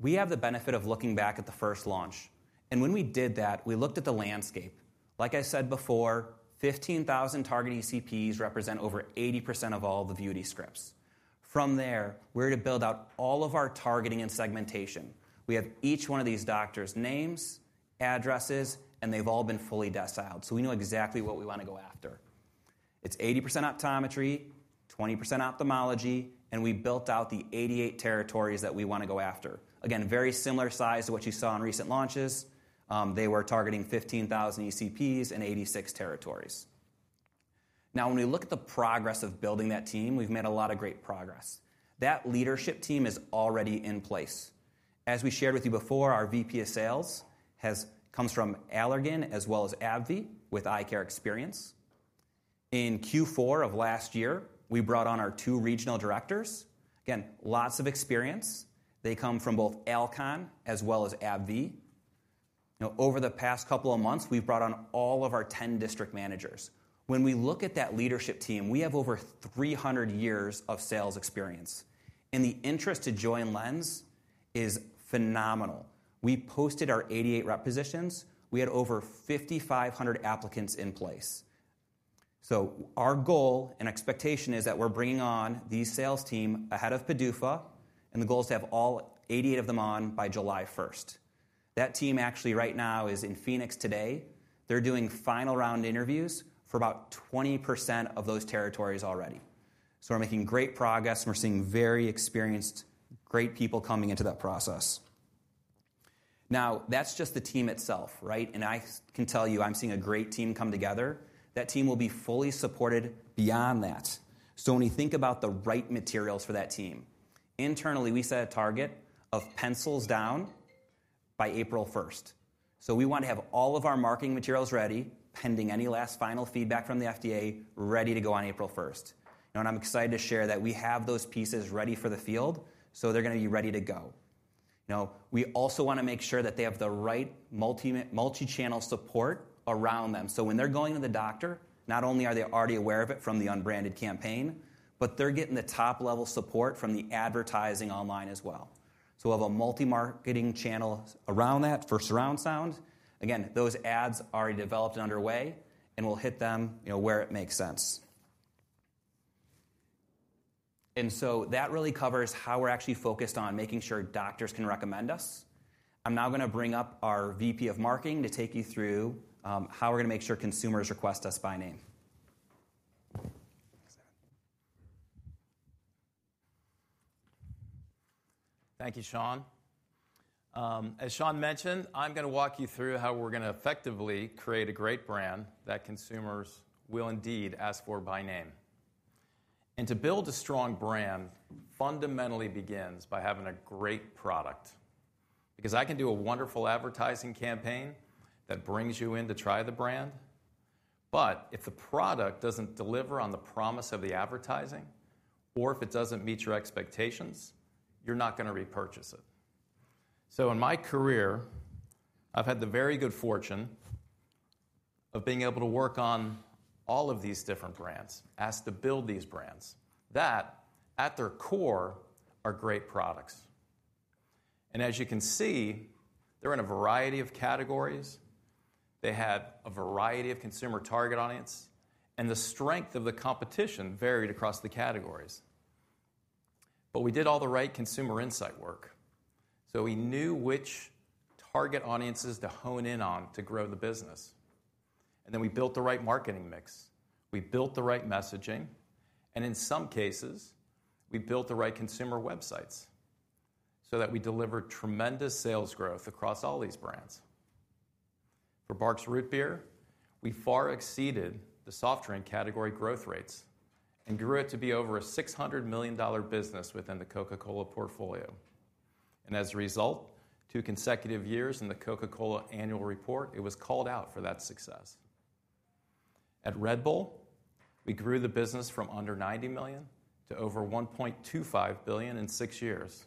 We have the benefit of looking back at the first launch. When we did that, we looked at the landscape. Like I said before, 15,000 target ECPs represent over 80% of all the Vuity scripts. From there, we're able to build out all of our targeting and segmentation. We have each one of these doctors' names, addresses, and they've all been fully deciled. We know exactly what we want to go after. It's 80% optometry, 20% ophthalmology. We built out the 88 territories that we want to go after. Again, very similar size to what you saw in recent launches. They were targeting 15,000 ECPs and 86 territories. Now, when we look at the progress of building that team, we've made a lot of great progress. That leadership team is already in place. As we shared with you before, our VP of Sales comes from Allergan as well as AbbVie with eye care experience. In Q4 of last year, we brought on our two regional directors. Again, lots of experience. They come from both Alcon as well as AbbVie. Over the past couple of months, we've brought on all of our 10 district managers. When we look at that leadership team, we have over 300 years of sales experience. The interest to join LENZ is phenomenal. We posted our 88 rep positions. We had over 5,500 applicants in place. Our goal and expectation is that we're bringing on these sales team ahead of PDUFA. The goal is to have all 88 of them on by July 1. That team actually right now is in Phoenix today. They're doing final round interviews for about 20% of those territories already. We're making great progress. We're seeing very experienced, great people coming into that process. Now, that's just the team itself. I can tell you I'm seeing a great team come together. That team will be fully supported beyond that. When you think about the right materials for that team, internally, we set a target of pencils down by April 1st. We want to have all of our marketing materials ready, pending any last final feedback from the FDA, ready to go on April 1st. I'm excited to share that we have those pieces ready for the field. They're going to be ready to go. We also want to make sure that they have the right multi-channel support around them. When they're going to the doctor, not only are they already aware of it from the unbranded campaign, but they're getting the top-level support from the advertising online as well. We'll have a multi-marketing channel around that for surround sound. Those ads are already developed and underway. We'll hit them where it makes sense. That really covers how we're actually focused on making sure doctors can recommend us. I'm now going to bring up our VP of marketing to take you through how we're going to make sure consumers request us by name. Thank you, Sean. As Sean mentioned, I'm going to walk you through how we're going to effectively create a great brand that consumers will indeed ask for by name. To build a strong brand fundamentally begins by having a great product. Because I can do a wonderful advertising campaign that brings you in to try the brand. If the product does not deliver on the promise of the advertising, or if it does not meet your expectations, you are not going to repurchase it. In my career, I have had the very good fortune of being able to work on all of these different brands, asked to build these brands that, at their core, are great products. As you can see, they are in a variety of categories. They had a variety of consumer target audience. The strength of the competition varied across the categories. We did all the right consumer insight work. We knew which target audiences to hone in on to grow the business. We built the right marketing mix. We built the right messaging. In some cases, we built the right consumer websites so that we delivered tremendous sales growth across all these brands. For Barqs Root Beer, we far exceeded the soft drink category growth rates and grew it to be over a $600 million business within the Coca-Cola portfolio. As a result, two consecutive years in the Coca-Cola annual report, it was called out for that success. At Red Bull, we grew the business from under $90 million to over $1.25 billion in six years.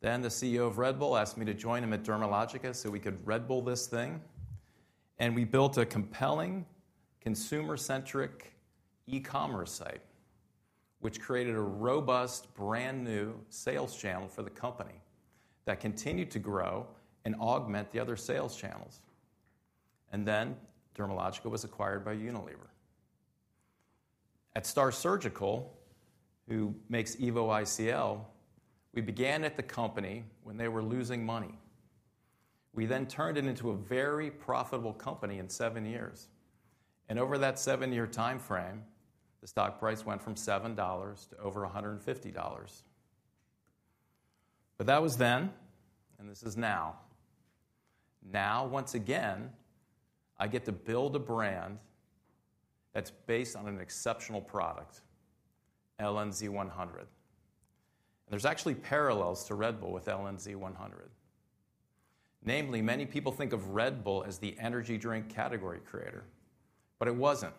The CEO of Red Bull asked me to join him at Dermalogica so we could Red Bull this thing. We built a compelling, consumer-centric e-commerce site, which created a robust, brand new sales channel for the company that continued to grow and augment the other sales channels. Dermalogica was acquired by Unilever. At STAAR Surgical, who makes Evo ICL, we began at the company when they were losing money. We then turned it into a very profitable company in seven years. Over that seven-year time frame, the stock price went from $7 to over $150. That was then. This is now. Now, once again, I get to build a brand that's based on an exceptional product, LNZ100. There are actually parallels to Red Bull with LNZ100. Namely, many people think of Red Bull as the energy drink category creator. It was not.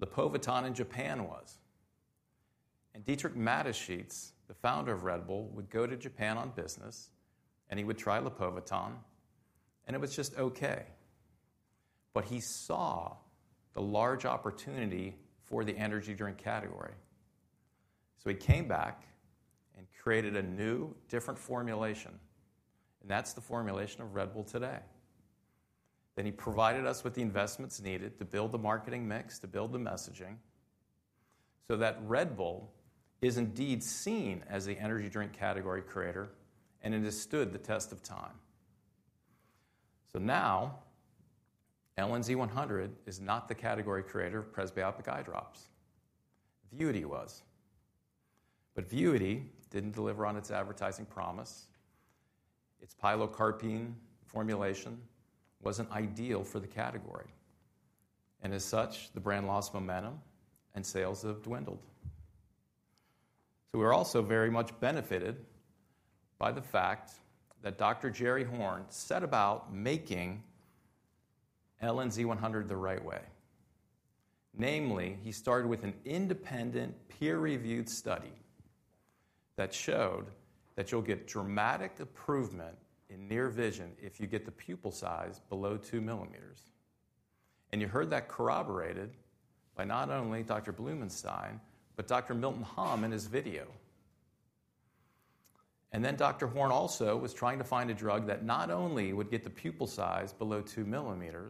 Lipovitan in Japan was. Dietrich Mateschitz, the founder of Red Bull, would go to Japan on business. He would try Lipovitan. It was just OK. He saw the large opportunity for the energy drink category. He came back and created a new, different formulation. That is the formulation of Red Bull today. He provided us with the investments needed to build the marketing mix, to build the messaging, so that Red Bull is indeed seen as the energy drink category creator and has stood the test of time. Now, LNZ100 is not the category creator of presbyopic eye drops. Vuity was. Vuity did not deliver on its advertising promise. Its pilocarpine formulation was not ideal for the category. As such, the brand lost momentum and sales have dwindled. We are also very much benefited by the fact that Dr. Jerry Horn set about making LNZ100 the right way. Namely, he started with an independent peer-reviewed study that showed that you will get dramatic improvement in near vision if you get the pupil size below 2 mm. You heard that corroborated by not only dr. Marc Bloomenstein, but Dr. Milton Hom in his video. Then Dr. Horn also was trying to find a drug that not only would get the pupil size below 2 mm,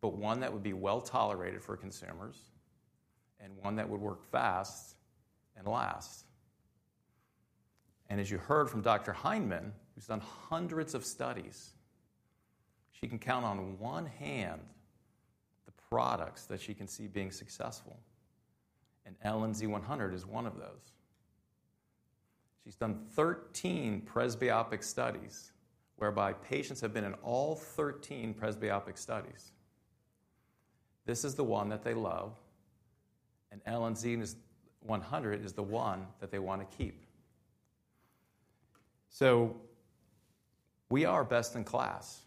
but one that would be well tolerated for consumers and one that would work fast and last. As you heard from Dr. Heinven, who's done hundreds of studies, she can count on one hand the products that she can see being successful. LNZ100 is one of those. She's done 13 presbyopic studies, whereby patients have been in all 13 presbyopic studies. This is the one that they love. LNZ100 is the one that they want to keep. We are best in class.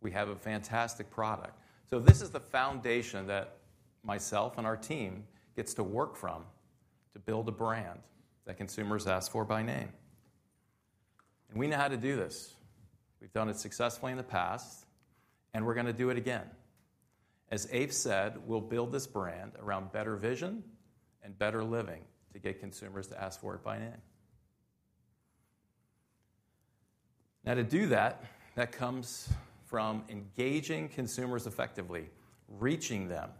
We have a fantastic product. This is the foundation that myself and our team get to work from to build a brand that consumers ask for by name. We know how to do this. We've done it successfully in the past. We are going to do it again. As Abe said, we will build this brand around better vision and better living to get consumers to ask for it by name. To do that, that comes from engaging consumers effectively, reaching them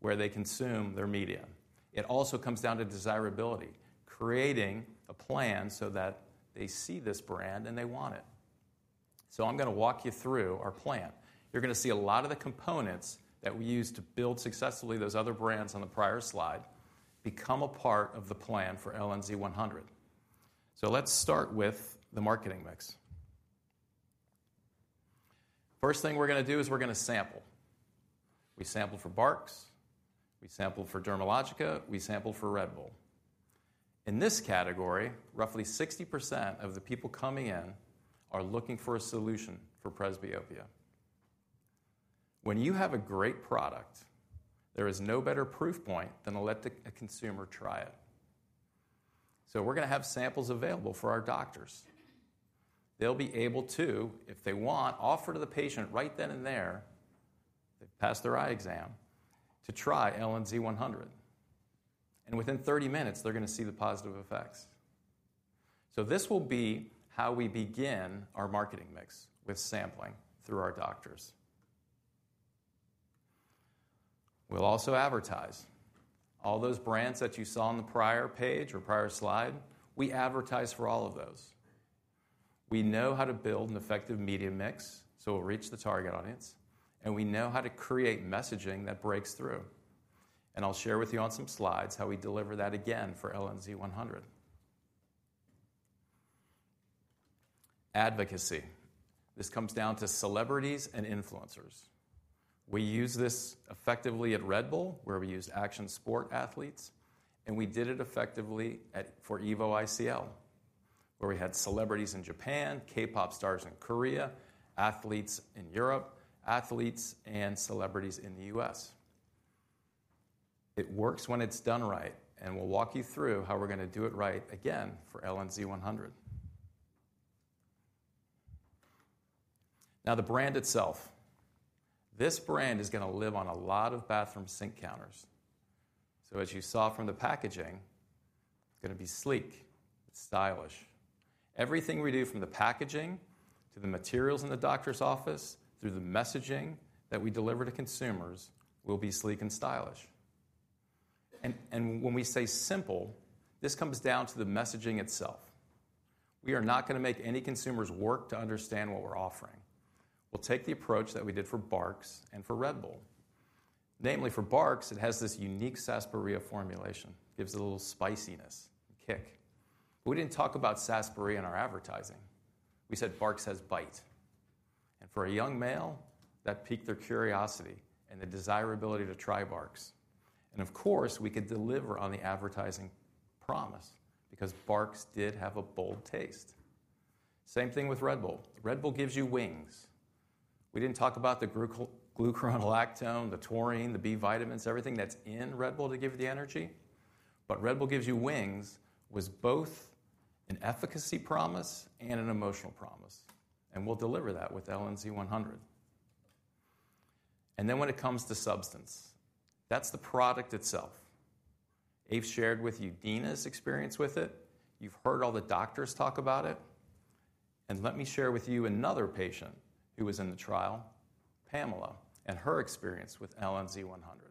where they consume their media. It also comes down to desirability, creating a plan so that they see this brand and they want it. I am going to walk you through our plan. You are going to see a lot of the components that we used to build successfully those other brands on the prior slide become a part of the plan for LNZ100. Let us start with the marketing mix. The first thing we are going to do is we are going to sample. We sampled for Barqs. We sampled for Dermalogica. We sampled for Red Bull. In this category, roughly 60% of the people coming in are looking for a solution for presbyopia. When you have a great product, there is no better proof point than to let a consumer try it. We're going to have samples available for our doctors. They'll be able to, if they want, offer to the patient right then and there, if they pass their eye exam, to try LNZ100. Within 30 minutes, they're going to see the positive effects. This will be how we begin our marketing mix with sampling through our doctors. We'll also advertise. All those brands that you saw on the prior page or prior slide, we advertise for all of those. We know how to build an effective media mix, so we'll reach the target audience. We know how to create messaging that breaks through. I'll share with you on some slides how we deliver that again for LNZ100. Advocacy. This comes down to celebrities and influencers. We use this effectively at Red Bull, where we use action sport athletes. We did it effectively for EVO ICL, where we had celebrities in Japan, K-pop stars in Korea, athletes in Europe, athletes and celebrities in the US. It works when it's done right. We'll walk you through how we're going to do it right again for LNZ100. Now, the brand itself. This brand is going to live on a lot of bathroom sink counters. As you saw from the packaging, it's going to be sleek, stylish. Everything we do from the packaging to the materials in the doctor's office, through the messaging that we deliver to consumers, will be sleek and stylish. When we say simple, this comes down to the messaging itself. We are not going to make any consumers work to understand what we're offering. We'll take the approach that we did for Barq's and for Red Bull. Namely, for Barq's, it has this unique sassafras formulation. It gives a little spiciness, a kick. We did not talk about sassafras in our advertising. We said Barq's has bite. For a young male, that piqued their curiosity and the desirability to try Barq's. We could deliver on the advertising promise because Barq's did have a bold taste. Same thing with Red Bull. Red Bull gives you wings. We did not talk about the glucuronolactone, the taurine, the B vitamins, everything that's in Red Bull to give you the energy. Red Bull gives you wings was both an efficacy promise and an emotional promise. We will deliver that with LNZ100. When it comes to substance, that is the product itself. Abe shared with you Dina's experience with it. You have heard all the doctors talk about it. Let me share with you another patient who was in the trial, Pamela, and her experience with LNZ100.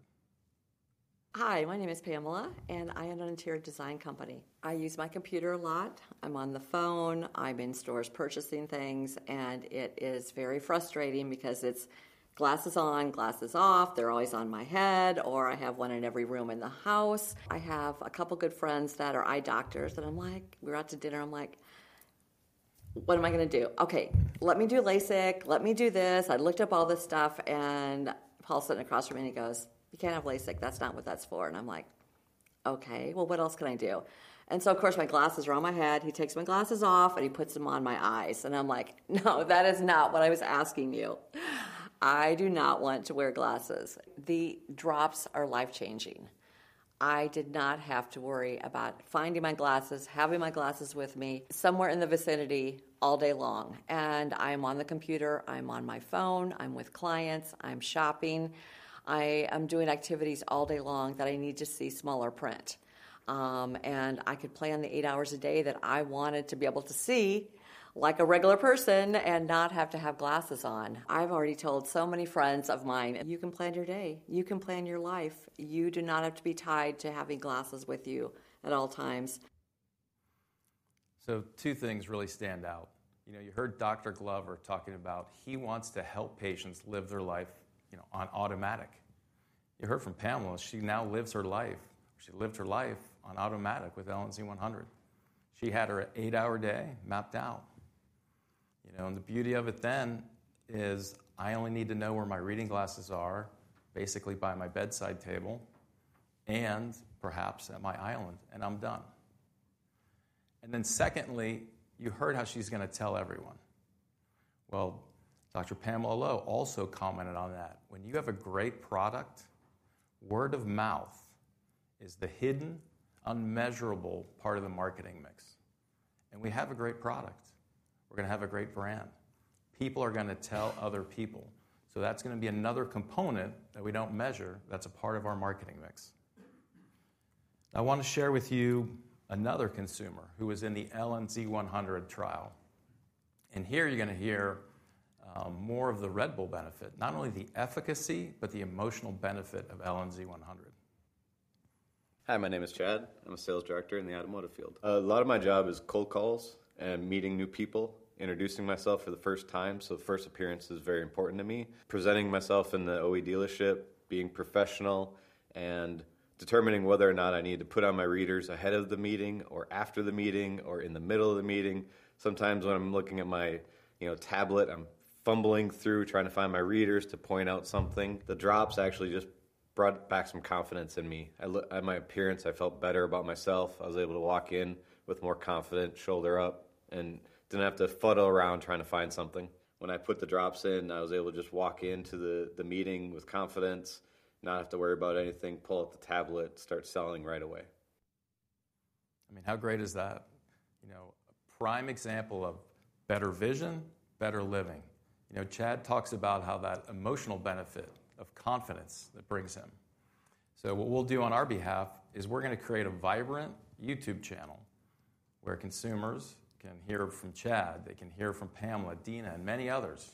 Hi. My name is Pamela. I own an interior design company. I use my computer a lot. I'm on the phone. I'm in stores purchasing things. It is very frustrating because it's glasses on, glasses off. They're always on my head. I have one in every room in the house. I have a couple of good friends that are eye doctors that I'm like, we're out to dinner. I'm like, what am I going to do? OK, let me do LASIK. Let me do this. I looked up all this stuff. Paul sat across from me. He goes, you can't have LASIK. That's not what that's for. I'm like, OK, what else can I do? Of course, my glasses are on my head. He takes my glasses off. He puts them on my eyes. No, that is not what I was asking you. I do not want to wear glasses. The drops are life-changing. I did not have to worry about finding my glasses, having my glasses with me somewhere in the vicinity all day long. I am on the computer. I'm on my phone. I'm with clients. I'm shopping. I am doing activities all day long that I need to see smaller print. I could plan the eight hours a day that I wanted to be able to see like a regular person and not have to have glasses on. I've already told so many friends of mine, you can plan your day. You can plan your life. You do not have to be tied to having glasses with you at all times. Two things really stand out. You heard Dr. Glover talking about he wants to help patients live their life on automatic. You heard from Pamela. She now lives her life. She lived her life on automatic with LNZ100. She had her eight-hour day mapped out. The beauty of it then is I only need to know where my reading glasses are, basically by my bedside table, and perhaps at my island. I'm done. Secondly, you heard how she's going to tell everyone. Dr. Pamela Lo also commented on that. When you have a great product, word of mouth is the hidden, unmeasurable part of the marketing mix. We have a great product. We're going to have a great brand. People are going to tell other people. That's going to be another component that we don't measure that's a part of our marketing mix. I want to share with you another consumer who was in the LNZ100 trial. And here you're going to hear more of the Red Bull benefit, not only the efficacy, but the emotional benefit of LNZ100. Hi. My name is Chad. I'm a sales director in the automotive field. A lot of my job is cold calls and meeting new people, introducing myself for the first time. The first appearance is very important to me, presenting myself in the OE dealership, being professional, and determining whether or not I need to put on my readers ahead of the meeting or after the meeting or in the middle of the meeting. Sometimes when I'm looking at my tablet, I'm fumbling through, trying to find my readers to point out something. The drops actually just brought back some confidence in me. At my appearance, I felt better about myself. I was able to walk in with more confidence, shoulder up, and didn't have to fuddle around trying to find something. When I put the drops in, I was able to just walk into the meeting with confidence, not have to worry about anything, pull out the tablet, start selling right away. I mean, how great is that? A prime example of better vision, better living. Chad talks about how that emotional benefit of confidence that brings him. What we'll do on our behalf is we're going to create a vibrant YouTube channel where consumers can hear from Chad. They can hear from Pamela, Dina, and many others.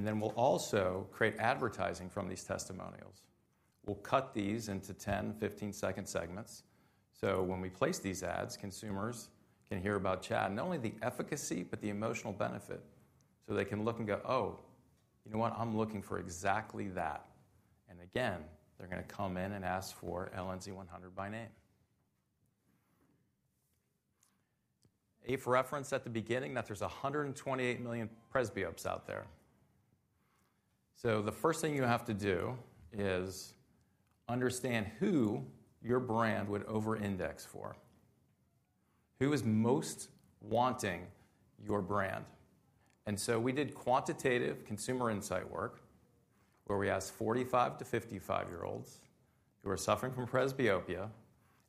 We will also create advertising from these testimonials. We'll cut these into 10, 15-second segments. When we place these ads, consumers can hear about Chad, not only the efficacy, but the emotional benefit. They can look and go, oh, you know what? I'm looking for exactly that. Again, they're going to come in and ask for LNZ100 by name. Abe referenced at the beginning that there's 128 million presbyopes out there. The first thing you have to do is understand who your brand would over-index for, who is most wanting your brand. We did quantitative consumer insight work where we asked 45- to 55-year-olds who are suffering from presbyopia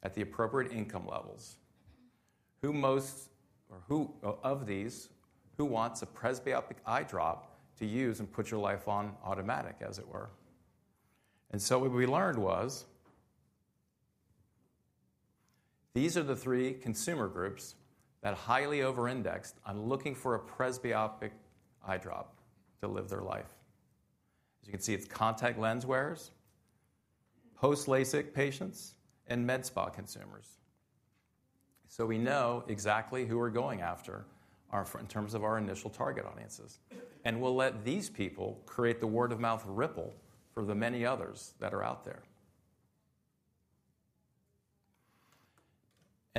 at the appropriate income levels. Who most of these wants a presbyopic eye drop to use and put your life on automatic, as it were? What we learned was these are the three consumer groups that highly over-indexed on looking for a presbyopic eye drop to live their life. As you can see, it's contact lens wearers, post-LASIK patients, and med spa consumers. We know exactly who we're going after in terms of our initial target audiences. We'll let these people create the word of mouth ripple for the many others that are out there.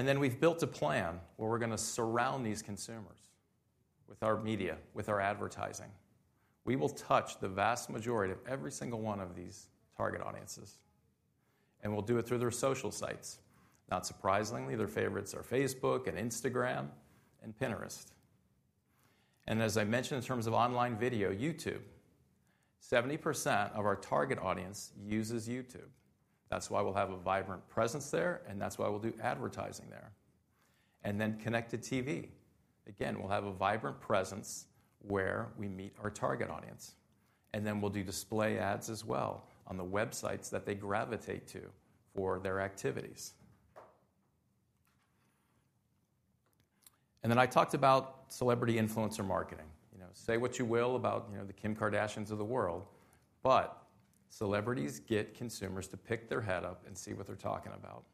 We have built a plan where we are going to surround these consumers with our media, with our advertising. We will touch the vast majority of every single one of these target audiences. We will do it through their social sites. Not surprisingly, their favorites are Facebook and Instagram and Pinterest. As I mentioned, in terms of online video, YouTube, 70% of our target audience uses YouTube. That is why we will have a vibrant presence there. That is why we will do advertising there. Connected TV, again, we will have a vibrant presence where we meet our target audience. We will do display ads as well on the websites that they gravitate to for their activities. I talked about celebrity influencer marketing. Say what you will about the Kim Kardashians of the world. Celebrities get consumers to pick their head up and see what they're talking about.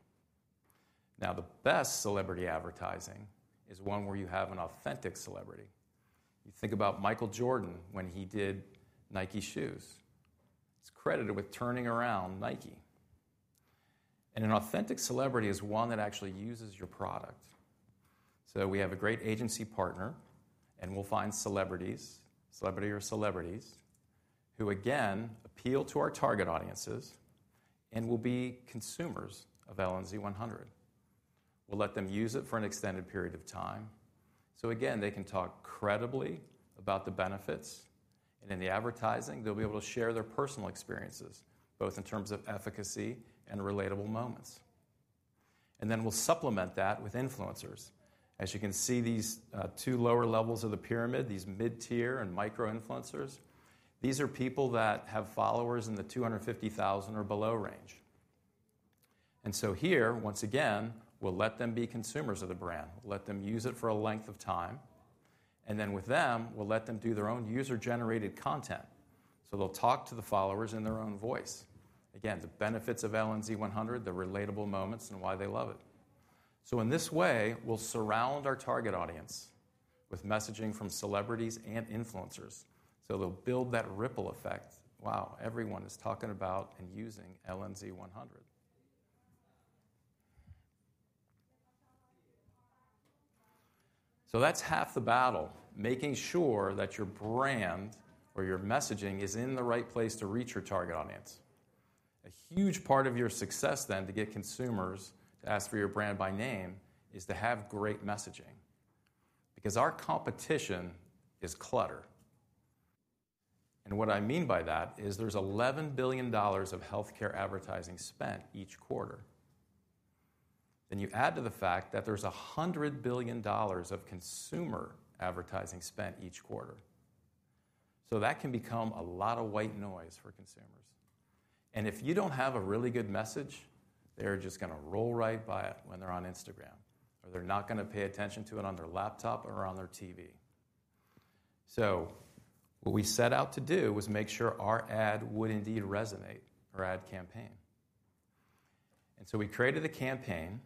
The best celebrity advertising is one where you have an authentic celebrity. You think about Michael Jordan when he did Nike shoes. He's credited with turning around Nike. An authentic celebrity is one that actually uses your product. We have a great agency partner. We'll find celebrities, celebrity or celebrities, who again appeal to our target audiences and will be consumers of LNZ100. We'll let them use it for an extended period of time. They can talk credibly about the benefits. In the advertising, they'll be able to share their personal experiences, both in terms of efficacy and relatable moments. We will supplement that with influencers. As you can see, these two lower levels of the pyramid, these mid-tier and micro influencers, these are people that have followers in the 250,000 or below range. Here, once again, we'll let them be consumers of the brand. We'll let them use it for a length of time. With them, we'll let them do their own user-generated content. They'll talk to the followers in their own voice. Again, the benefits of LNZ100, the relatable moments, and why they love it. In this way, we'll surround our target audience with messaging from celebrities and influencers. They'll build that ripple effect. Wow, everyone is talking about and using LNZ100. That's half the battle, making sure that your brand or your messaging is in the right place to reach your target audience. A huge part of your success then to get consumers to ask for your brand by name is to have great messaging because our competition is clutter. What I mean by that is there's $11 billion of health care advertising spent each quarter. You add to the fact that there's $100 billion of consumer advertising spent each quarter. That can become a lot of white noise for consumers. If you don't have a really good message, they're just going to roll right by it when they're on Instagram. Or they're not going to pay attention to it on their laptop or on their TV. What we set out to do was make sure our ad would indeed resonate, our ad campaign. We created a campaign.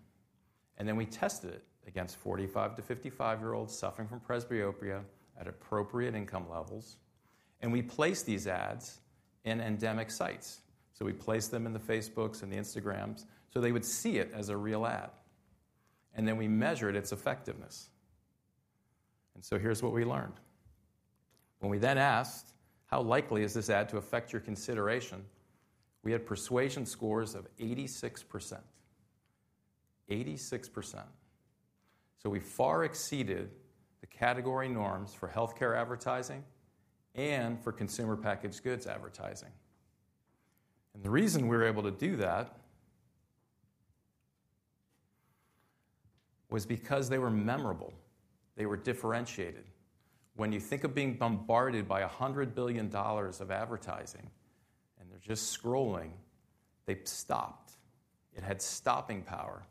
We tested it against 45-55-year-olds suffering from presbyopia at appropriate income levels. We placed these ads in endemic sites. We placed them in the Facebooks and the Instagrams so they would see it as a real ad. We measured its effectiveness. Here's what we learned. When we then asked, how likely is this ad to affect your consideration, we had persuasion scores of 86%, 86%. We far exceeded the category norms for health care advertising and for consumer packaged goods advertising. The reason we were able to do that was because they were memorable. They were differentiated. When you think of being bombarded by $100 billion of advertising and they're just scrolling, they stopped. It had stopping power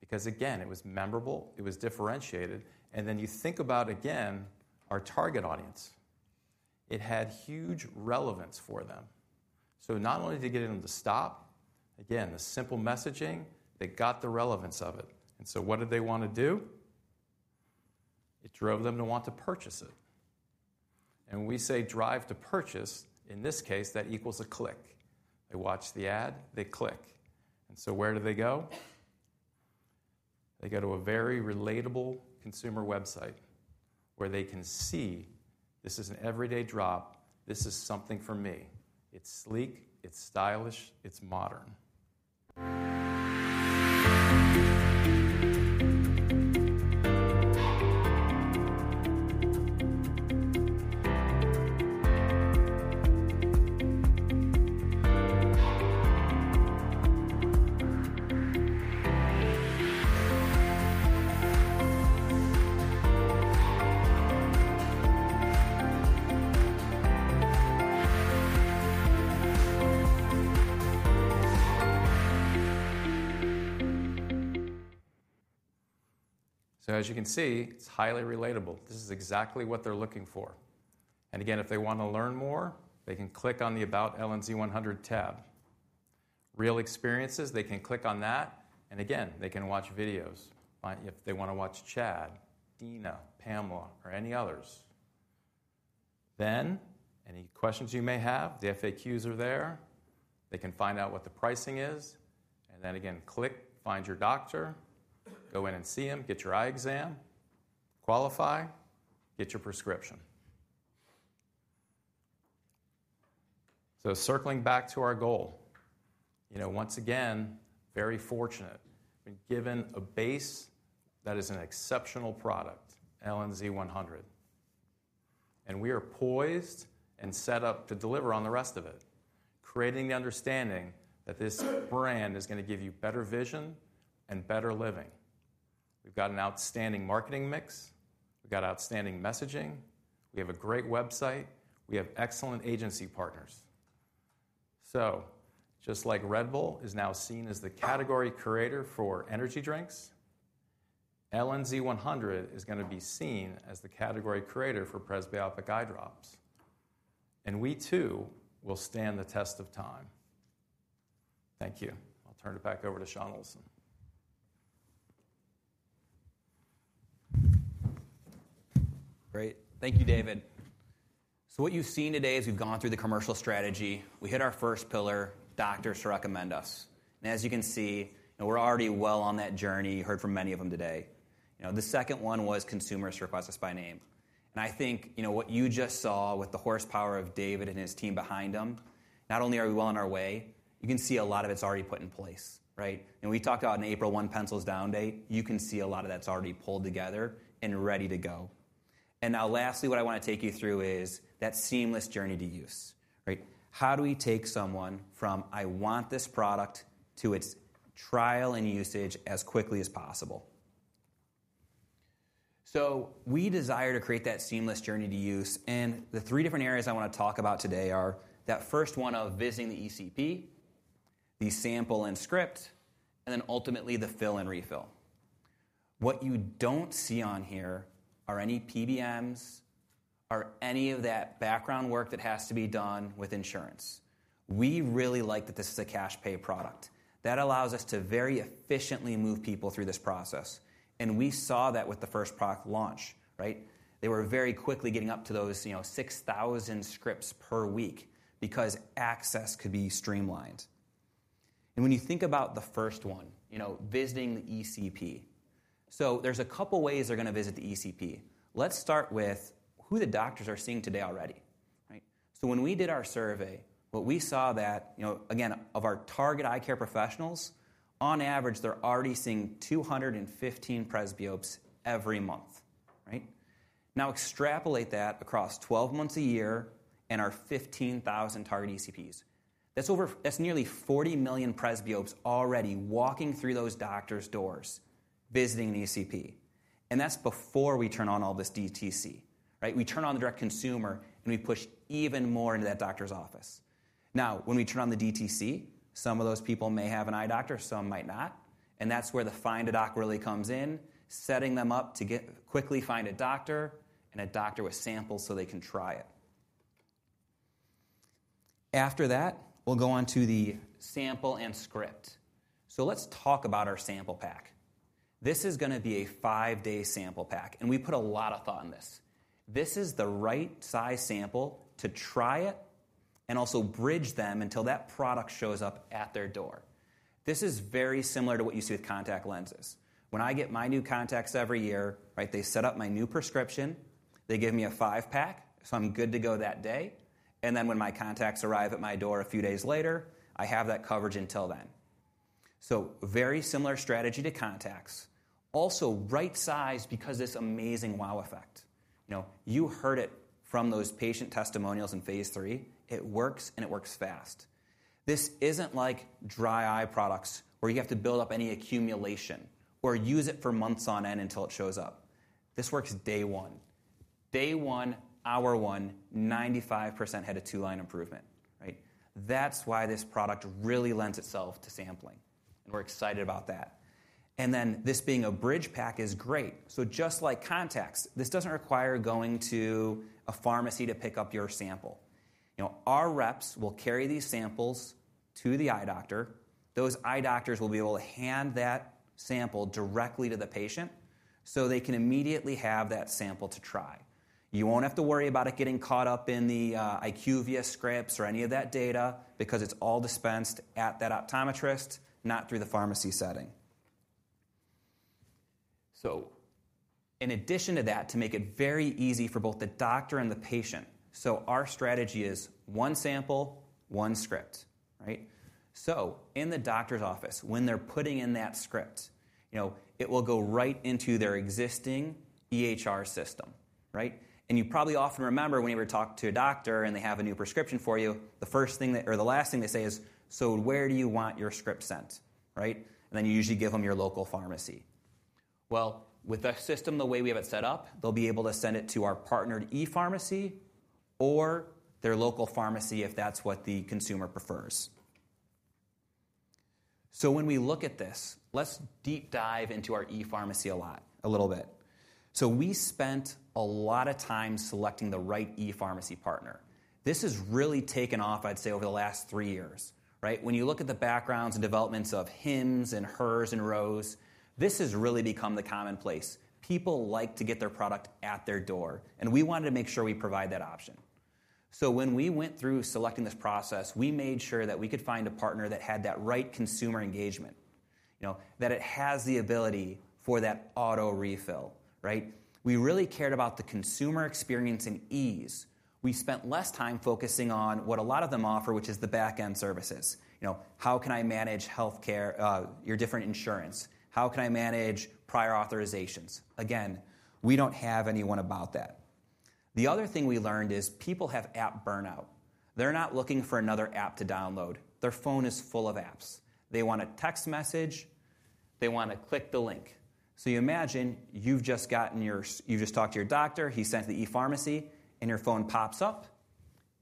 because, again, it was memorable. It was differentiated. You think about, again, our target audience. It had huge relevance for them. Not only did it get them to stop, again, the simple messaging, they got the relevance of it. What did they want to do? It drove them to want to purchase it. When we say drive to purchase, in this case, that equals a click. They watch the ad. They click. Where do they go? They go to a very relatable consumer website where they can see this is an everyday drop. This is something for me. It's sleek. It's stylish. It's modern. As you can see, it's highly relatable. This is exactly what they're looking for. Again, if they want to learn more, they can click on the About LNZ100 tab. Real experiences, they can click on that. Again, they can watch videos if they want to watch Chad, Dina, Pamela, or any others. Any questions you may have, the FAQs are there. They can find out what the pricing is. Again, click, find your doctor, go in and see him, get your eye exam, qualify, get your prescription. Circling back to our goal, once again, very fortunate when given a base that is an exceptional product, LNZ100. We are poised and set up to deliver on the rest of it, creating the understanding that this brand is going to give you better vision and better living. We've got an outstanding marketing mix. We've got outstanding messaging. We have a great website. We have excellent agency partners. Just like Red Bull is now seen as the category creator for energy drinks, LNZ100 is going to be seen as the category creator for presbyopic eye drops. We, too, will stand the test of time. Thank you. I'll turn it back over to Sean Olsson. Great. Thank you, David. What you've seen today is we've gone through the commercial strategy. We hit our first pillar, doctors to recommend us. As you can see, we're already well on that journey. You heard from many of them today. The second one was consumers to request us by name. I think what you just saw with the horsepower of David and his team behind them, not only are we well on our way, you can see a lot of it's already put in place. We talked about an April 1 pencils down date. You can see a lot of that's already pulled together and ready to go. Now lastly, what I want to take you through is that seamless journey to use. How do we take someone from I want this product to its trial and usage as quickly as possible? We desire to create that seamless journey to use. The three different areas I want to talk about today are that first one of visiting the ECP, the sample and script, and then ultimately the fill and refill. What you do not see on here are any PBMs or any of that background work that has to be done with insurance. We really like that this is a cash pay product. That allows us to very efficiently move people through this process. We saw that with the first product launch. They were very quickly getting up to those 6,000 scripts per week because access could be streamlined. When you think about the first one, visiting the ECP, there are a couple of ways they are going to visit the ECP. Let's start with who the doctors are seeing today already. When we did our survey, what we saw that, again, of our target eye care professionals, on average, they're already seeing 215 presbyopes every month. Now extrapolate that across 12 months a year and our 15,000 target ECPs. That's nearly 40 million presbyopes already walking through those doctors' doors visiting the ECP. That's before we turn on all this DTC. We turn on the direct consumer, and we push even more into that doctor's office. Now, when we turn on the DTC, some of those people may have an eye doctor. Some might not. That's where the find a doc really comes in, setting them up to quickly find a doctor and a doctor with samples so they can try it. After that, we'll go on to the sample and script. Let's talk about our sample pack. This is going to be a five-day sample pack. We put a lot of thought in this. This is the right size sample to try it and also bridge them until that product shows up at their door. This is very similar to what you see with contact lenses. When I get my new contacts every year, they set up my new prescription. They give me a five pack, so I'm good to go that day. When my contacts arrive at my door a few days later, I have that coverage until then. Very similar strategy to contacts. Also right size because this amazing wow effect. You heard it from those patient testimonials in phase III. It works, and it works fast. This isn't like dry eye products where you have to build up any accumulation or use it for months on end until it shows up. This works day one. Day one, hour one, 95% head to two line improvement. That's why this product really lends itself to sampling. We're excited about that. This being a bridge pack is great. Just like contacts, this doesn't require going to a pharmacy to pick up your sample. Our reps will carry these samples to the eye doctor. Those eye doctors will be able to hand that sample directly to the patient so they can immediately have that sample to try. You won't have to worry about it getting caught up in the IQVIA scripts or any of that data because it's all dispensed at that optometrist, not through the pharmacy setting. In addition to that, to make it very easy for both the doctor and the patient, our strategy is one sample, one script. In the doctor's office, when they're putting in that script, it will go right into their existing EHR system. You probably often remember when you were talking to a doctor and they have a new prescription for you, the first thing or the last thing they say is, "So where do you want your script sent?" You usually give them your local pharmacy. With our system, the way we have it set up, they'll be able to send it to our partnered ePharmacy or their local pharmacy if that's what the consumer prefers. When we look at this, let's deep dive into our ePharmacy a little bit. We spent a lot of time selecting the right ePharmacy partner. This has really taken off, I'd say, over the last three years. When you look at the backgrounds and developments of Hims and Hers and Ro, this has really become the commonplace. People like to get their product at their door. We wanted to make sure we provide that option. When we went through selecting this process, we made sure that we could find a partner that had that right consumer engagement, that it has the ability for that auto refill. We really cared about the consumer experience and ease. We spent less time focusing on what a lot of them offer, which is the back-end services. How can I manage your different insurance? How can I manage prior authorizations? Again, we do not have anyone about that. The other thing we learned is people have app burnout. They are not looking for another app to download. Their phone is full of apps. They want a text message. They want to click the link. You imagine you've just gotten your, you just talked to your doctor. He sent the ePharmacy, and your phone pops up.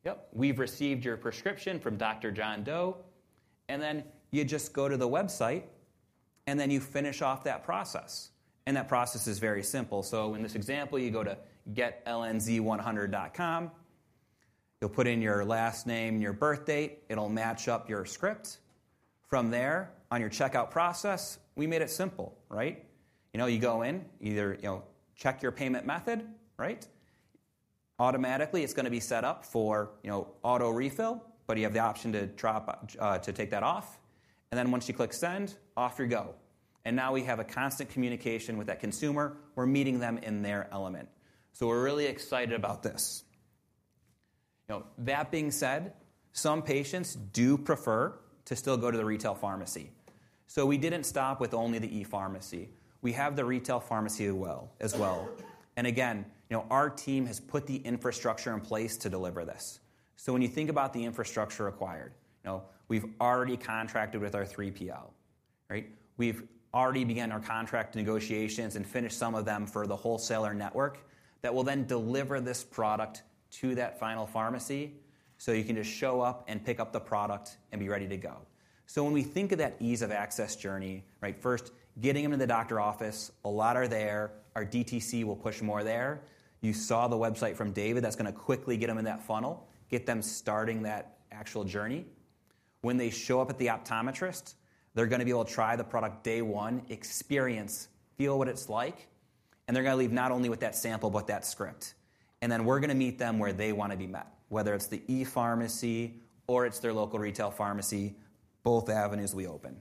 Yep, we've received your prescription from Dr. John Doe. You just go to the website, and you finish off that process. That process is very simple. In this example, you go to getlnz100.com. You put in your last name and your birth date. It will match up your script. From there, on your checkout process, we made it simple. You go in. You either check your payment method. Automatically, it's going to be set up for auto refill, but you have the option to take that off. Once you click send, off you go. Now we have a constant communication with that consumer. We're meeting them in their element. We're really excited about this. That being said, some patients do prefer to still go to the retail pharmacy. We did not stop with only the ePharmacy. We have the retail pharmacy as well. Again, our team has put the infrastructure in place to deliver this. When you think about the infrastructure required, we have already contracted with our 3PL. We have already begun our contract negotiations and finished some of them for the wholesaler network that will then deliver this product to that final pharmacy so you can just show up and pick up the product and be ready to go. When we think of that ease of access journey, first, getting them to the doctor office, a lot are there. Our DTC will push more there. You saw the website from David. That is going to quickly get them in that funnel, get them starting that actual journey. When they show up at the optometrist, they're going to be able to try the product day one, experience, feel what it's like. They're going to leave not only with that sample, but that script. We're going to meet them where they want to be met, whether it's the ePharmacy or it's their local retail pharmacy. Both avenues we open.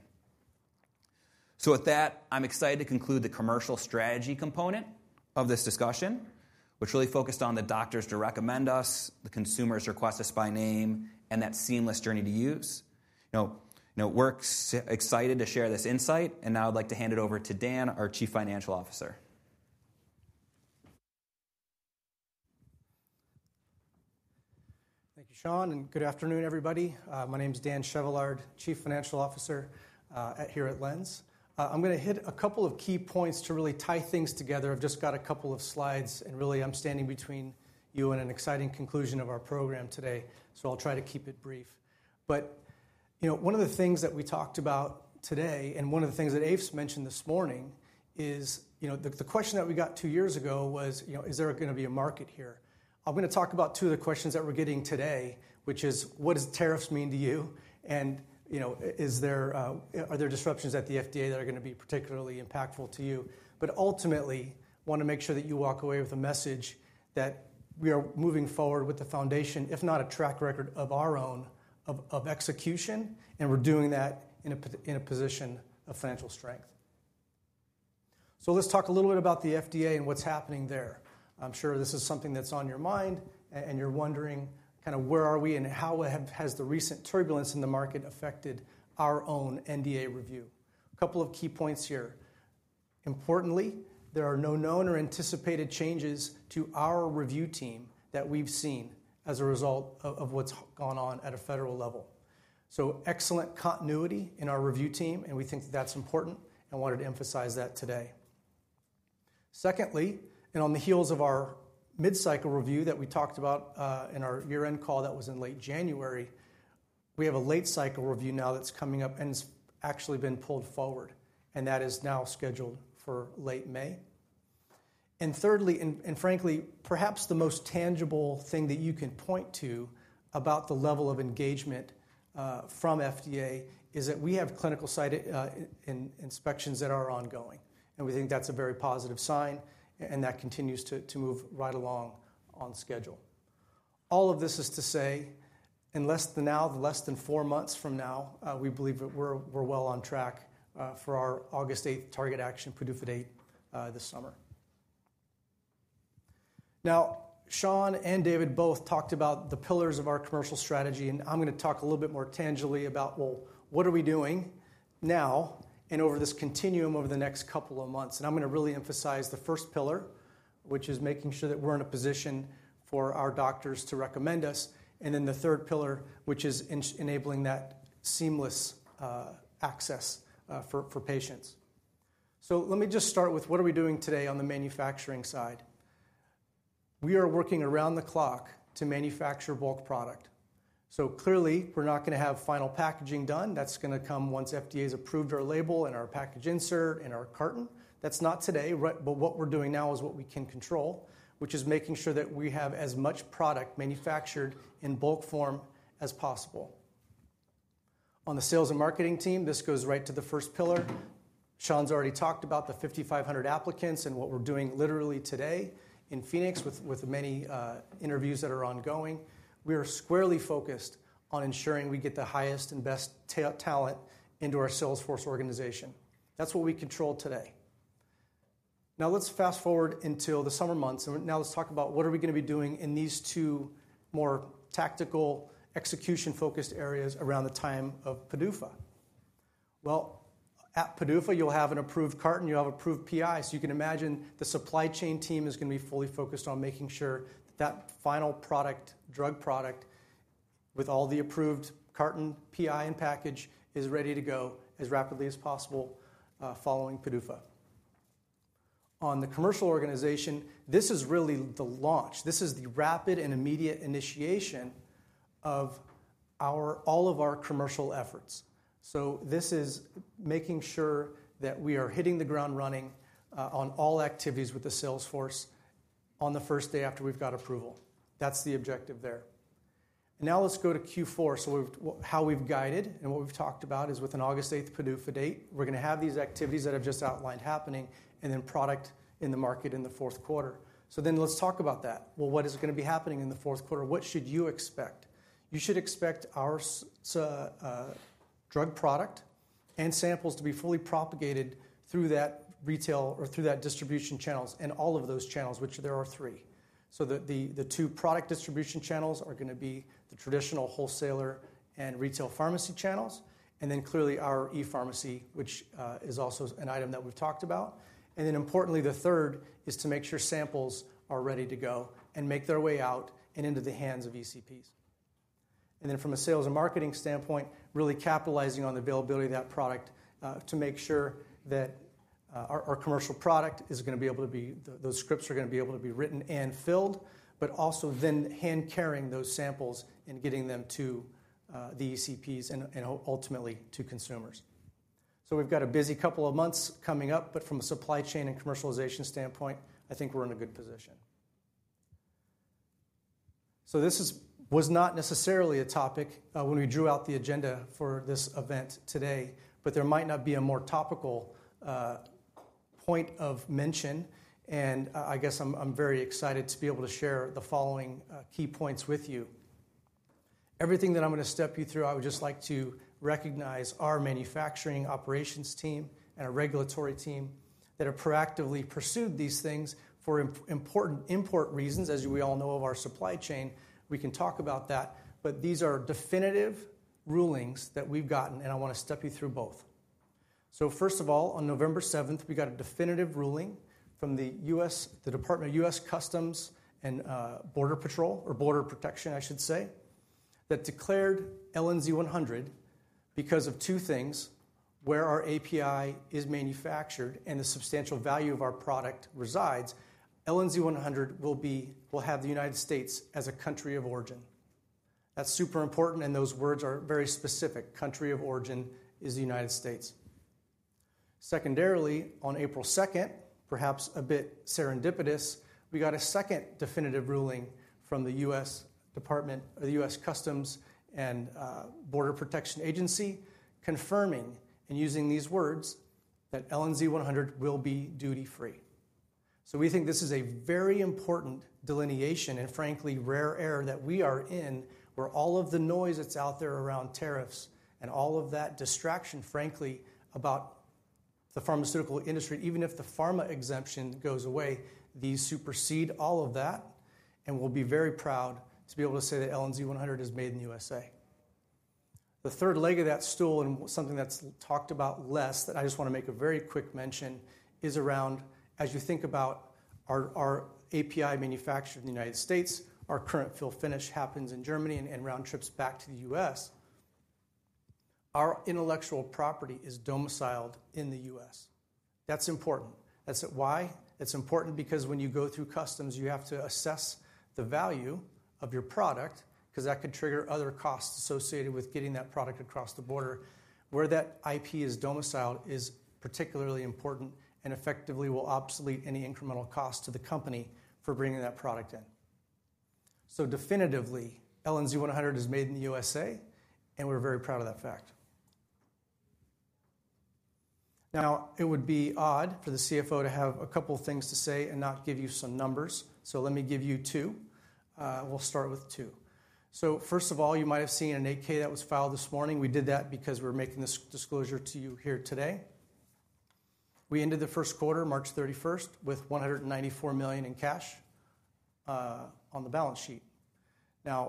With that, I'm excited to conclude the commercial strategy component of this discussion, which really focused on the doctors to recommend us, the consumers to request us by name, and that seamless journey to use. We're excited to share this insight. Now I'd like to hand it over to Dan, our Chief Financial Officer. Thank you, Sean. Good afternoon, everybody. My name is Dan Chevallard, Chief Financial Officer here at LENZ. I'm going to hit a couple of key points to really tie things together. I've just got a couple of slides. Really, I'm standing between you and an exciting conclusion of our program today. I'll try to keep it brief. One of the things that we talked about today and one of the things that Eef Schimmelpennink mentioned this morning is the question that we got two years ago: is there going to be a market here? I'm going to talk about two of the questions that we're getting today, which are, what do tariffs mean to you, and are there disruptions at the FDA that are going to be particularly impactful to you? Ultimately, I want to make sure that you walk away with a message that we are moving forward with the foundation, if not a track record of our own, of execution. We are doing that in a position of financial strength. Let's talk a little bit about the FDA and what's happening there. I'm sure this is something that's on your mind, and you're wondering kind of where are we and how has the recent turbulence in the market affected our own NDA review. A couple of key points here. Importantly, there are no known or anticipated changes to our review team that we've seen as a result of what's gone on at a federal level. Excellent continuity in our review team, and we think that that's important and wanted to emphasize that today. Secondly, and on the heels of our mid-cycle review that we talked about in our year-end call that was in late January, we have a late-cycle review now that's coming up and has actually been pulled forward. That is now scheduled for late May. Thirdly, and frankly, perhaps the most tangible thing that you can point to about the level of engagement from FDA is that we have clinical inspections that are ongoing. We think that's a very positive sign, and that continues to move right along on schedule. All of this is to say, now less than four months from now, we believe that we're well on track for our August 8 target action PDUFA date this summer. Now, Sean and David both talked about the pillars of our commercial strategy. I'm going to talk a little bit more tangibly about, well, what are we doing now and over this continuum over the next couple of months. I'm going to really emphasize the first pillar, which is making sure that we're in a position for our doctors to recommend us. The third pillar is enabling that seamless access for patients. Let me just start with what are we doing today on the manufacturing side. We are working around the clock to manufacture bulk product. Clearly, we're not going to have final packaging done. That's going to come once FDA has approved our label and our package insert and our carton. That's not today. What we're doing now is what we can control, which is making sure that we have as much product manufactured in bulk form as possible. On the sales and marketing team, this goes right to the first pillar. Sean's already talked about the 5,500 applicants and what we're doing literally today in Phoenix with many interviews that are ongoing. We are squarely focused on ensuring we get the highest and best talent into our salesforce organization. That's what we control today. Now, let's fast forward into the summer months. Now let's talk about what are we going to be doing in these two more tactical execution-focused areas around the time of PDUFA. At PDUFA, you'll have an approved carton. You'll have approved PI. You can imagine the supply chain team is going to be fully focused on making sure that final drug product with all the approved carton, PI, and package is ready to go as rapidly as possible following PDUFA. On the commercial organization, this is really the launch. This is the rapid and immediate initiation of all of our commercial efforts. This is making sure that we are hitting the ground running on all activities with the Salesforce on the first day after we've got approval. That's the objective there. Now let's go to Q4. How we've guided and what we've talked about is with an August 8 PDUFA date, we're going to have these activities that I've just outlined happening and then product in the market in the fourth quarter. Let's talk about that. What is going to be happening in the fourth quarter? What should you expect? You should expect our drug product and samples to be fully propagated through that retail or through that distribution channels and all of those channels, which there are three. The two product distribution channels are going to be the traditional wholesaler and retail pharmacy channels. Clearly our ePharmacy, which is also an item that we've talked about. Importantly, the third is to make sure samples are ready to go and make their way out and into the hands of ECPs. From a sales and marketing standpoint, really capitalizing on the availability of that product to make sure that our commercial product is going to be able to be those scripts are going to be able to be written and filled, but also then hand-carrying those samples and getting them to the ECPs and ultimately to consumers. We've got a busy couple of months coming up. From a supply chain and commercialization standpoint, I think we're in a good position. This was not necessarily a topic when we drew out the agenda for this event today. There might not be a more topical point of mention. I guess I'm very excited to be able to share the following key points with you. Everything that I'm going to step you through, I would just like to recognize our manufacturing operations team and our regulatory team that have proactively pursued these things for important import reasons, as we all know, of our supply chain. We can talk about that. These are definitive rulings that we've gotten. I want to step you through both. First of all, on November 7, we got a definitive ruling from the Department of U.S. Customs and Border Protection, I should say, that declared LNZ100 because of two things. Where our API is manufactured and the substantial value of our product resides, LNZ100 will have the United States as a country of origin. That's super important. And those words are very specific. Country of origin is the United States. Secondarily, on April 2, perhaps a bit serendipitous, we got a second definitive ruling from the U.S. Department of U.S. Customs and Border Protection Agency confirming and using these words that LNZ100 will be duty-free. We think this is a very important delineation and frankly rare error that we are in where all of the noise that's out there around tariffs and all of that distraction, frankly, about the pharmaceutical industry, even if the pharma exemption goes away, these supersede all of that. We'll be very proud to be able to say that LNZ100 is made in the USA. The third leg of that stool and something that's talked about less that I just want to make a very quick mention is around, as you think about our API manufactured in the United States, our current fill finish happens in Germany and round trips back to the U.S. Our intellectual property is domiciled in the U.S. That's important. Why? It's important because when you go through customs, you have to assess the value of your product because that could trigger other costs associated with getting that product across the border. Where that IP is domiciled is particularly important and effectively will obsolete any incremental cost to the company for bringing that product in. Definitively, LNZ100 is made in the USA. We are very proud of that fact. Now, it would be odd for the CFO to have a couple of things to say and not give you some numbers. Let me give you two. We'll start with two. First of all, you might have seen an 8K that was filed this morning. We did that because we're making this disclosure to you here today. We ended the first quarter, March 31, with $194 million in cash on the balance sheet.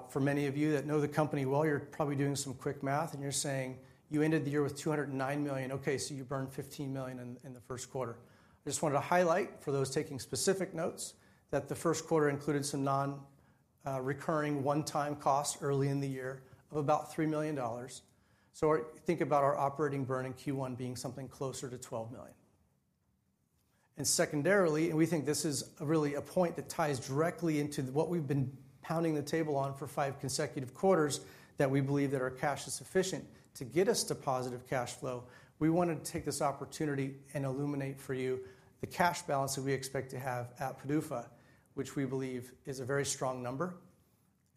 For many of you that know the company well, you're probably doing some quick math. You're saying you ended the year with $209 million. Okay. You burned $15 million in the first quarter. I just wanted to highlight for those taking specific notes that the first quarter included some non-recurring one-time costs early in the year of about $3 million. Think about our operating burn in Q1 being something closer to $12 million. Secondarily, and we think this is really a point that ties directly into what we've been pounding the table on for five consecutive quarters, we believe that our cash is sufficient to get us to positive cash flow. We wanted to take this opportunity and illuminate for you the cash balance that we expect to have at PDUFA, which we believe is a very strong number.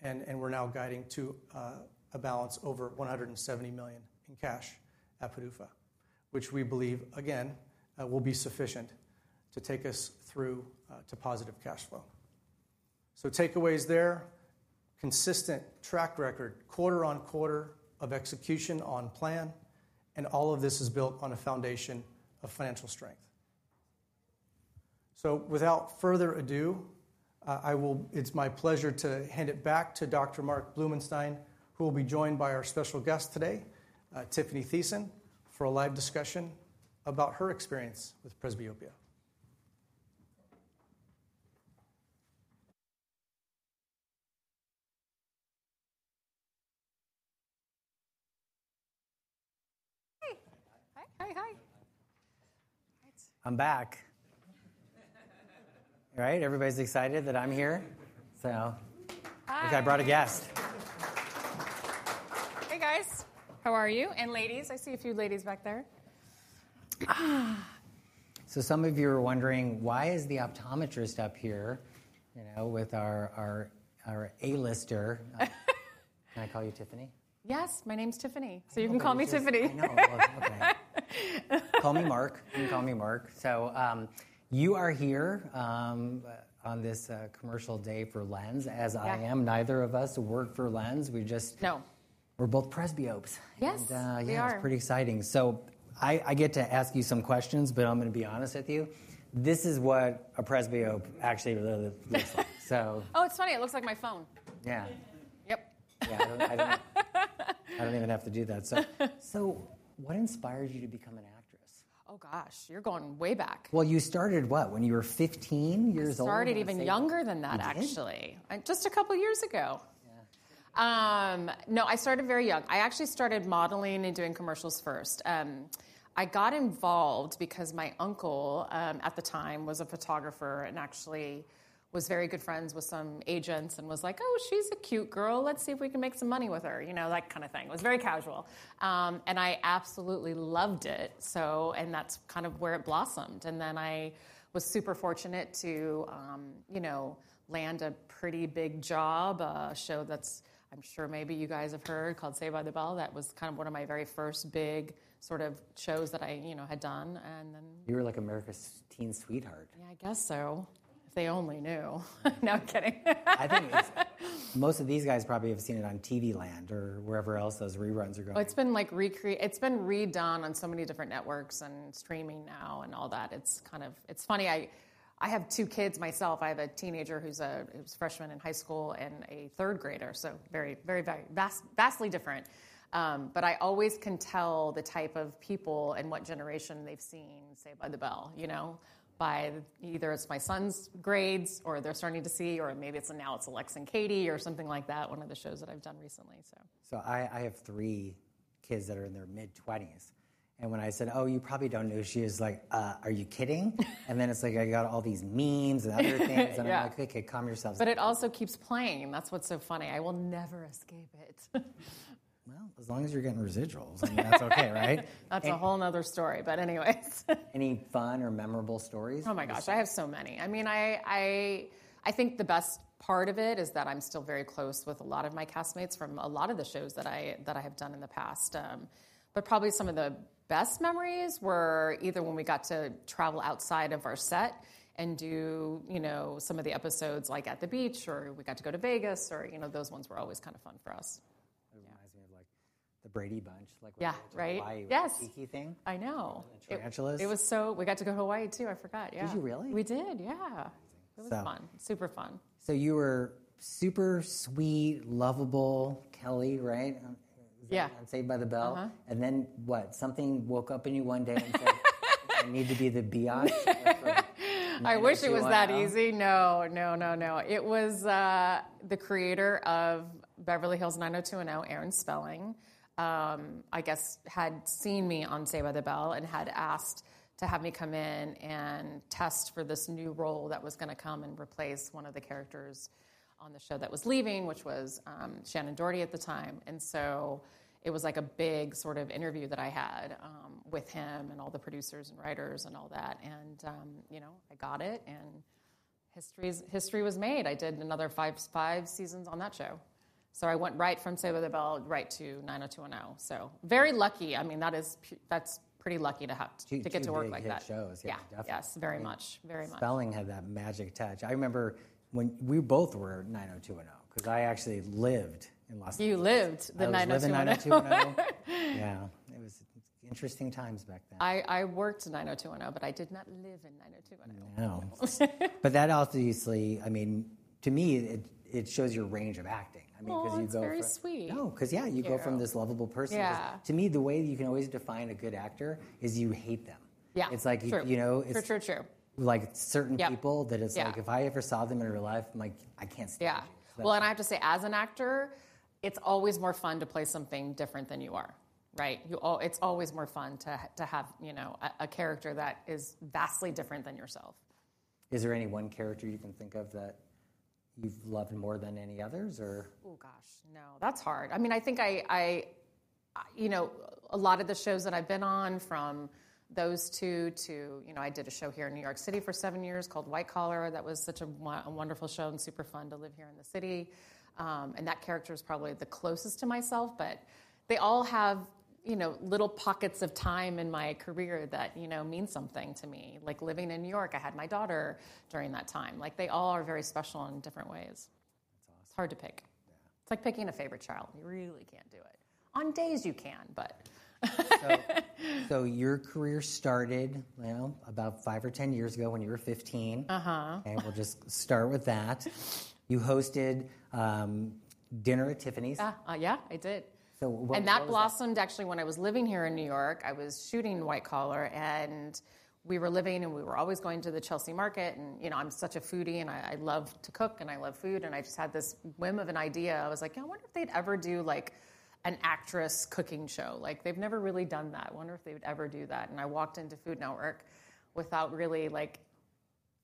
We are now guiding to a balance over $170 million in cash at PDUFA, which we believe, again, will be sufficient to take us through to positive cash flow. Takeaways there: consistent track record, quarter on quarter of execution on plan. All of this is built on a foundation of financial strength. Without further ado, it's my pleasure to hand it back to Dr. Marc Bloomenstein, who will be joined by our special guest today, Tiffani Thiessen, for a live discussion about her experience with presbyopia. Hi. Hi. Hi. Hi. I'm back. All right. Everybody's excited that I'm here. I think I brought a guest. Hey, guys. How are you? And ladies. I see a few ladies back there. Some of you are wondering, why is the optometrist up here with our A-lister? Can I call you Tiffani? Yes. My name's Tiffani. You can call me Tiffani. No. Okay. Call me Marc. You can call me Marc. You are here on this commercial day for LENZ, as I am. Neither of us work for LENZ. We just. No. We're both presbyopes. Yes. We are. Yeah. It's pretty exciting. I get to ask you some questions. I'm going to be honest with you. This is what a Presbyope actually looks like. Oh, it's funny. It looks like my phone. Yeah. Yep. Yeah. I don't even have to do that. What inspired you to become an actress? Oh, gosh. You're going way back. You started, what, when you were 15 years old? I started even younger than that, actually, just a couple of years ago. Yeah. No. I started very young. I actually started modeling and doing commercials first. I got involved because my uncle at the time was a photographer and actually was very good friends with some agents and was like, "Oh, she's a cute girl. Let's see if we can make some money with her," that kind of thing. It was very casual. I absolutely loved it. That's kind of where it blossomed. I was super fortunate to land a pretty big job, a show that I'm sure maybe you guys have heard called Saved by the Bell. That was kind of one of my very first big sort of shows that I had done. You were like America's teen sweetheart. Yeah. I guess so. If they only knew. No, kidding. I think most of these guys probably have seen it on TV Land or wherever else those reruns are going. Oh, it's been redone on so many different networks and streaming now and all that. It's funny. I have two kids myself. I have a teenager who's a freshman in high school and a third grader. Very, very vastly different. I always can tell the type of people and what generation they've seen Saved by the Bell by either it's my son's grades or they're starting to see or maybe now it's Alex and Katie or something like that, one of the shows that I've done recently. I have three kids that are in their mid-20s. When I said, "Oh, you probably don't know who she is," like, "Are you kidding?" Then it's like I got all these memes and other things. I'm like, "Okay. Calm yourselves. It also keeps playing. That's what's so funny. I will never escape it. As long as you're getting residuals, that's okay, right? That's a whole nother story. Anyways. Any fun or memorable stories? Oh, my gosh. I have so many. I mean, I think the best part of it is that I'm still very close with a lot of my castmates from a lot of the shows that I have done in the past. Probably some of the best memories were either when we got to travel outside of our set and do some of the episodes like at the beach or we got to go to Vegas or those ones were always kind of fun for us. It reminds me of the Brady Bunch, like Hawaii with the Tiki thing. Yes. I know. In Los Angeles. It was so we got to go to Hawaii too. I forgot. Yeah. Did you really? We did. Yeah. Amazing. It was fun. Super fun. You were super sweet, lovable Kelly, right, on Saved by the Bell. Uh-huh. What? Something woke up in you one day and said, "I need to be the BI? I wish it was that easy. No, no, no, no. It was the creator of Beverly Hills 90210, Aaron Spelling, I guess, had seen me on Saved by the Bell and had asked to have me come in and test for this new role that was going to come and replace one of the characters on the show that was leaving, which was Shannen Doherty at the time. It was like a big sort of interview that I had with him and all the producers and writers and all that. I got it. History was made. I did another five seasons on that show. I went right from Saved by the Bell right to 90210. Very lucky. I mean, that's pretty lucky to get to work like that. Huge opportunity to get shows. Yeah. Yeah. Yes. Very much. Very much. Spelling had that magic touch. I remember when we both were 90210 because I actually lived in Las Vegas. You lived the 902. I was living 90210. Yeah. It was interesting times back then. I worked in 90210, but I did not live in 90210. No. That obviously, I mean, to me, it shows your range of acting. I mean, because you go. Oh, that's very sweet. No. Because, yeah, you go from this lovable person. To me, the way you can always define a good actor is you hate them. Yeah. True. True. It's like. For true, true. Like certain people that it's like, if I ever saw them in real life, I'm like, "I can't stand you. Yeah. I have to say, as an actor, it's always more fun to play something different than you are, right? It's always more fun to have a character that is vastly different than yourself. Is there any one character you can think of that you've loved more than any others, or? Oh, gosh. No. That's hard. I mean, I think a lot of the shows that I've been on, from those two to I did a show here in New York City for seven years called White Collar. That was such a wonderful show and super fun to live here in the city. That character is probably the closest to myself. They all have little pockets of time in my career that mean something to me. Like living in New York, I had my daughter during that time. They all are very special in different ways. That's awesome. It's hard to pick. Yeah. It's like picking a favorite child. You really can't do it. On days, you can, but. Your career started about 5 or 10 years ago when you were 15. Uh-huh. We'll just start with that. You hosted Dinner at Tiffani's. Yeah. Yeah. I did. What was that? That blossomed actually when I was living here in New York. I was shooting White Collar. We were living, and we were always going to the Chelsea market. I'm such a foodie. I love to cook. I love food. I just had this whim of an idea. I was like, "Yeah. I wonder if they'd ever do an actress cooking show. They've never really done that. I wonder if they would ever do that." I walked into Food Network without really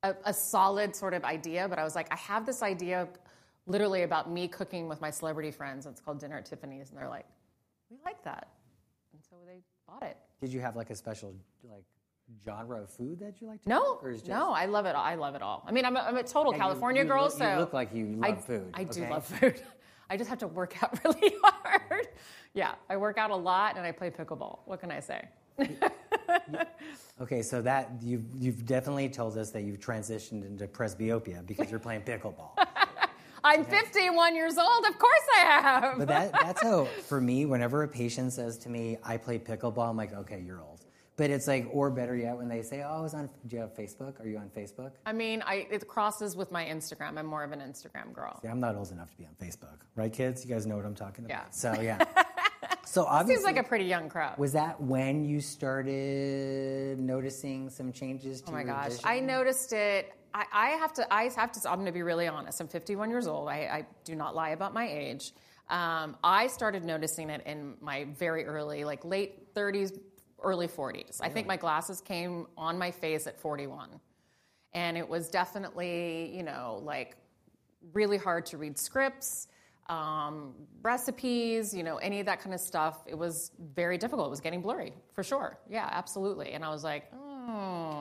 a solid sort of idea. I was like, "I have this idea literally about me cooking with my celebrity friends." It's called Dinner at Tiffani's. They're like, "We like that." They bought it. Did you have a special genre of food that you liked to cook or is just? No. No. I love it all. I love it all. I mean, I'm a total California girl, so. You look like you love food. I do love food. I just have to work out really hard. Yeah. I work out a lot. I play pickleball. What can I say? Okay. You've definitely told us that you've transitioned into presbyopia because you're playing pickleball. I'm 51 years old. Of course, I have. That's how, for me, whenever a patient says to me, "I play pickleball," I'm like, "Okay. You're old." It's like, or better yet, when they say, "Oh, do you have Facebook? Are you on Facebook? I mean, it crosses with my Instagram. I'm more of an Instagram girl. Yeah. I'm not old enough to be on Facebook. Right, kids? You guys know what I'm talking about? Yeah. So yeah. Seems like a pretty young crowd. Was that when you started noticing some changes to your vision? Oh, my gosh. I noticed it. I have to--I'm going to be really honest. I'm 51 years old. I do not lie about my age. I started noticing it in my very late 30s, early 40s. I think my glasses came on my face at 41. It was definitely really hard to read scripts, recipes, any of that kind of stuff. It was very difficult. It was getting blurry, for sure. Yeah. Absolutely. I was like, "Oh."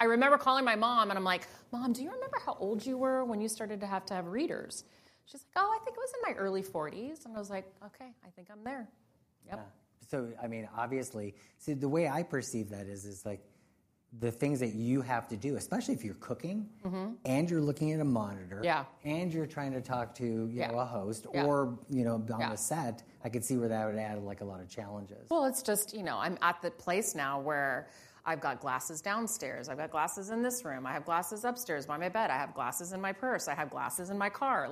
I remember calling my mom. I'm like, "Mom, do you remember how old you were when you started to have to have readers?" She's like, "Oh, I think it was in my early 40s." I was like, "Okay. I think I'm there." Yep. Yeah. I mean, obviously, see, the way I perceive that is like the things that you have to do, especially if you're cooking and you're looking at a monitor and you're trying to talk to a host or on the set, I could see where that would add a lot of challenges. I'm at the place now where I've got glasses downstairs. I've got glasses in this room. I have glasses upstairs by my bed. I have glasses in my purse. I have glasses in my car.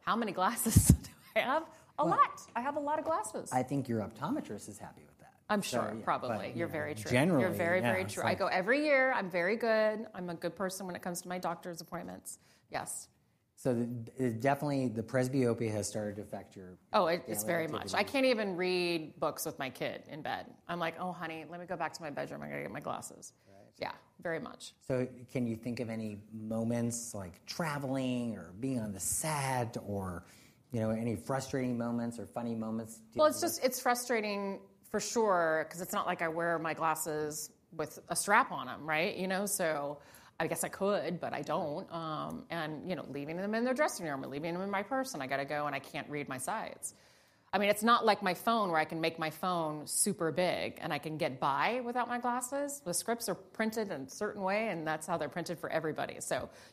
How many glasses do I have? A lot. I have a lot of glasses. I think your optometrist is happy with that. I'm sure. Probably. You're very true. Generally. You're very, very true. I go every year. I'm very good. I'm a good person when it comes to my doctor's appointments. Yes. Definitely, the presbyopia has started to affect your vision. Oh, it's very much. I can't even read books with my kid in bed. I'm like, "Oh, honey, let me go back to my bedroom. I got to get my glasses. Right. Yeah. Very much. Can you think of any moments like traveling or being on the set or any frustrating moments or funny moments? It is frustrating for sure because it is not like I wear my glasses with a strap on them, right? I guess I could, but I do not. Leaving them in the dressing room or leaving them in my purse. I have to go, and I cannot read my sides. I mean, it is not like my phone where I can make my phone super big and I can get by without my glasses. The scripts are printed in a certain way, and that is how they are printed for everybody.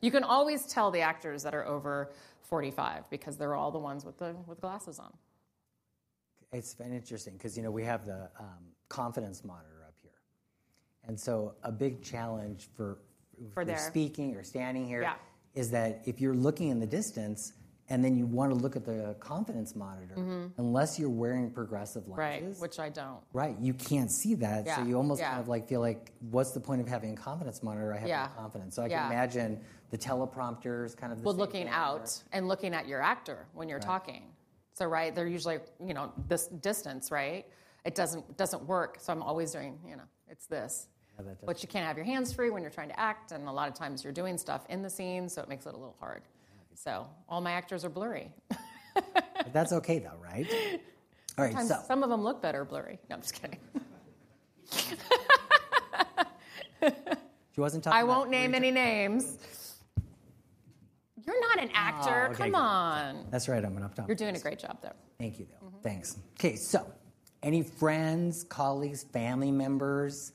You can always tell the actors that are over 45 because they are all the ones with the glasses on. It's very interesting because we have the confidence monitor up here. And so a big challenge for. For there. Speaking or standing here is that if you're looking in the distance and then you want to look at the confidence monitor, unless you're wearing progressive lenses. Right. Which I don't. Right. You can't see that. Yeah. You almost kind of feel like, "What's the point of having a confidence monitor? I have no confidence. Yeah. I can imagine the teleprompter is kind of the. Looking out and looking at your actor when you're talking. Right? They're usually this distance, right? It doesn't work. So I'm always doing it's this. Yeah. That does. You cannot have your hands free when you are trying to act. A lot of times, you are doing stuff in the scene. It makes it a little hard. Okay. All my actors are blurry. That's okay though, right? All right. Some of them look better blurry. I'm just kidding. She wasn't talking about you. I won't name any names. You're not an actor. Come on. That's right. I'm going to have to. You're doing a great job though. Thank you though. Thanks. Okay. Any friends, colleagues, family members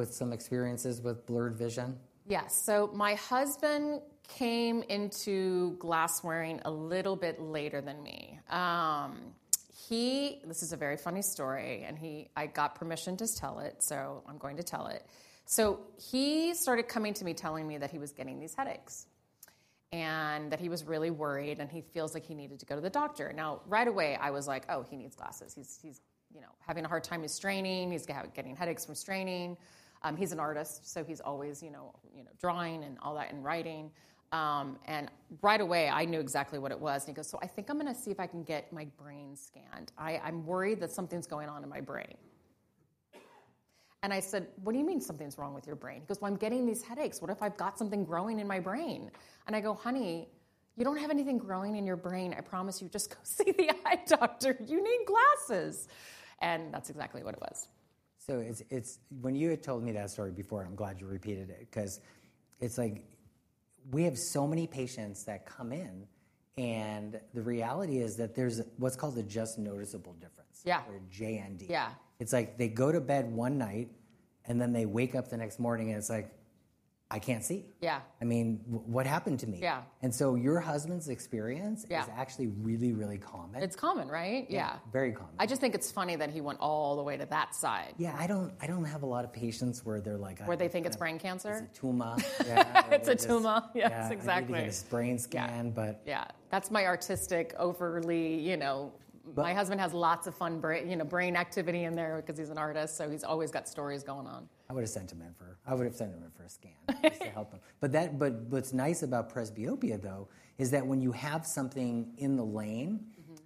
with some experiences with blurred vision? Yes. My husband came into glass wearing a little bit later than me. This is a very funny story. I got permission to tell it, so I am going to tell it. He started coming to me telling me that he was getting these headaches and that he was really worried and he feels like he needed to go to the doctor. Right away, I was like, "Oh, he needs glasses. He's having a hard time with straining. He's getting headaches from straining." He's an artist, so he's always drawing and all that and writing. Right away, I knew exactly what it was. He goes, "I think I'm going to see if I can get my brain scanned. I'm worried that something's going on in my brain." I said, "What do you mean something's wrong with your brain?" He goes, "Well, I'm getting these headaches. What if I've got something growing in my brain?" I go, "Honey, you don't have anything growing in your brain. I promise you. Just go see the eye doctor. You need glasses." That's exactly what it was. When you had told me that story before, I'm glad you repeated it because it's like we have so many patients that come in. The reality is that there's what's called a just noticeable difference or JND. Yeah. It's like they go to bed one night. They wake up the next morning. It's like, "I can't see. Yeah. I mean, what happened to me? Yeah. Your husband's experience is actually really, really common. It's common, right? Yeah. Yeah. Very common. I just think it's funny that he went all the way to that side. Yeah. I don't have a lot of patients where they're like. Where they think it's brain cancer. It's a tumor. Yeah. It's a tumor. Yeah. Exactly. You need a brain scan. Yeah. That's my artistic overlay. My husband has lots of fun brain activity in there because he's an artist. So he's always got stories going on. I would have sent him in for a scan just to help him. What's nice about presbyopia though is that when you have something in the lane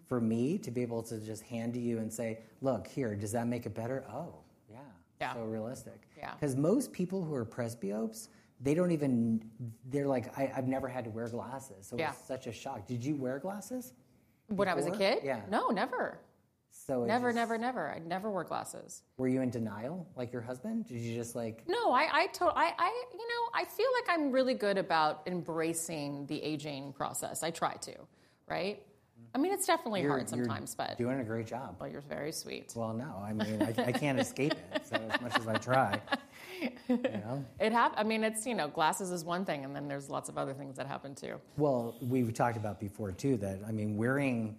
for me to be able to just hand to you and say, "Look, here. Does that make it better?" Oh, yeah. Yeah. So realistic. Yeah. Because most people who are presbyopes, they don't even, they're like, "I've never had to wear glasses. Yeah. It was such a shock. Did you wear glasses? When I was a kid. Yeah. No. Never. So it's. Never, never, never. I never wore glasses. Were you in denial like your husband? Did you just like. No. I feel like I'm really good about embracing the aging process. I try to, right? I mean, it's definitely hard sometimes. You're doing a great job. You're very sweet. No, I mean, I can't escape it. So as much as I try. I mean, glasses is one thing. And then there's lots of other things that happen too. We've talked about before too that, I mean, wearing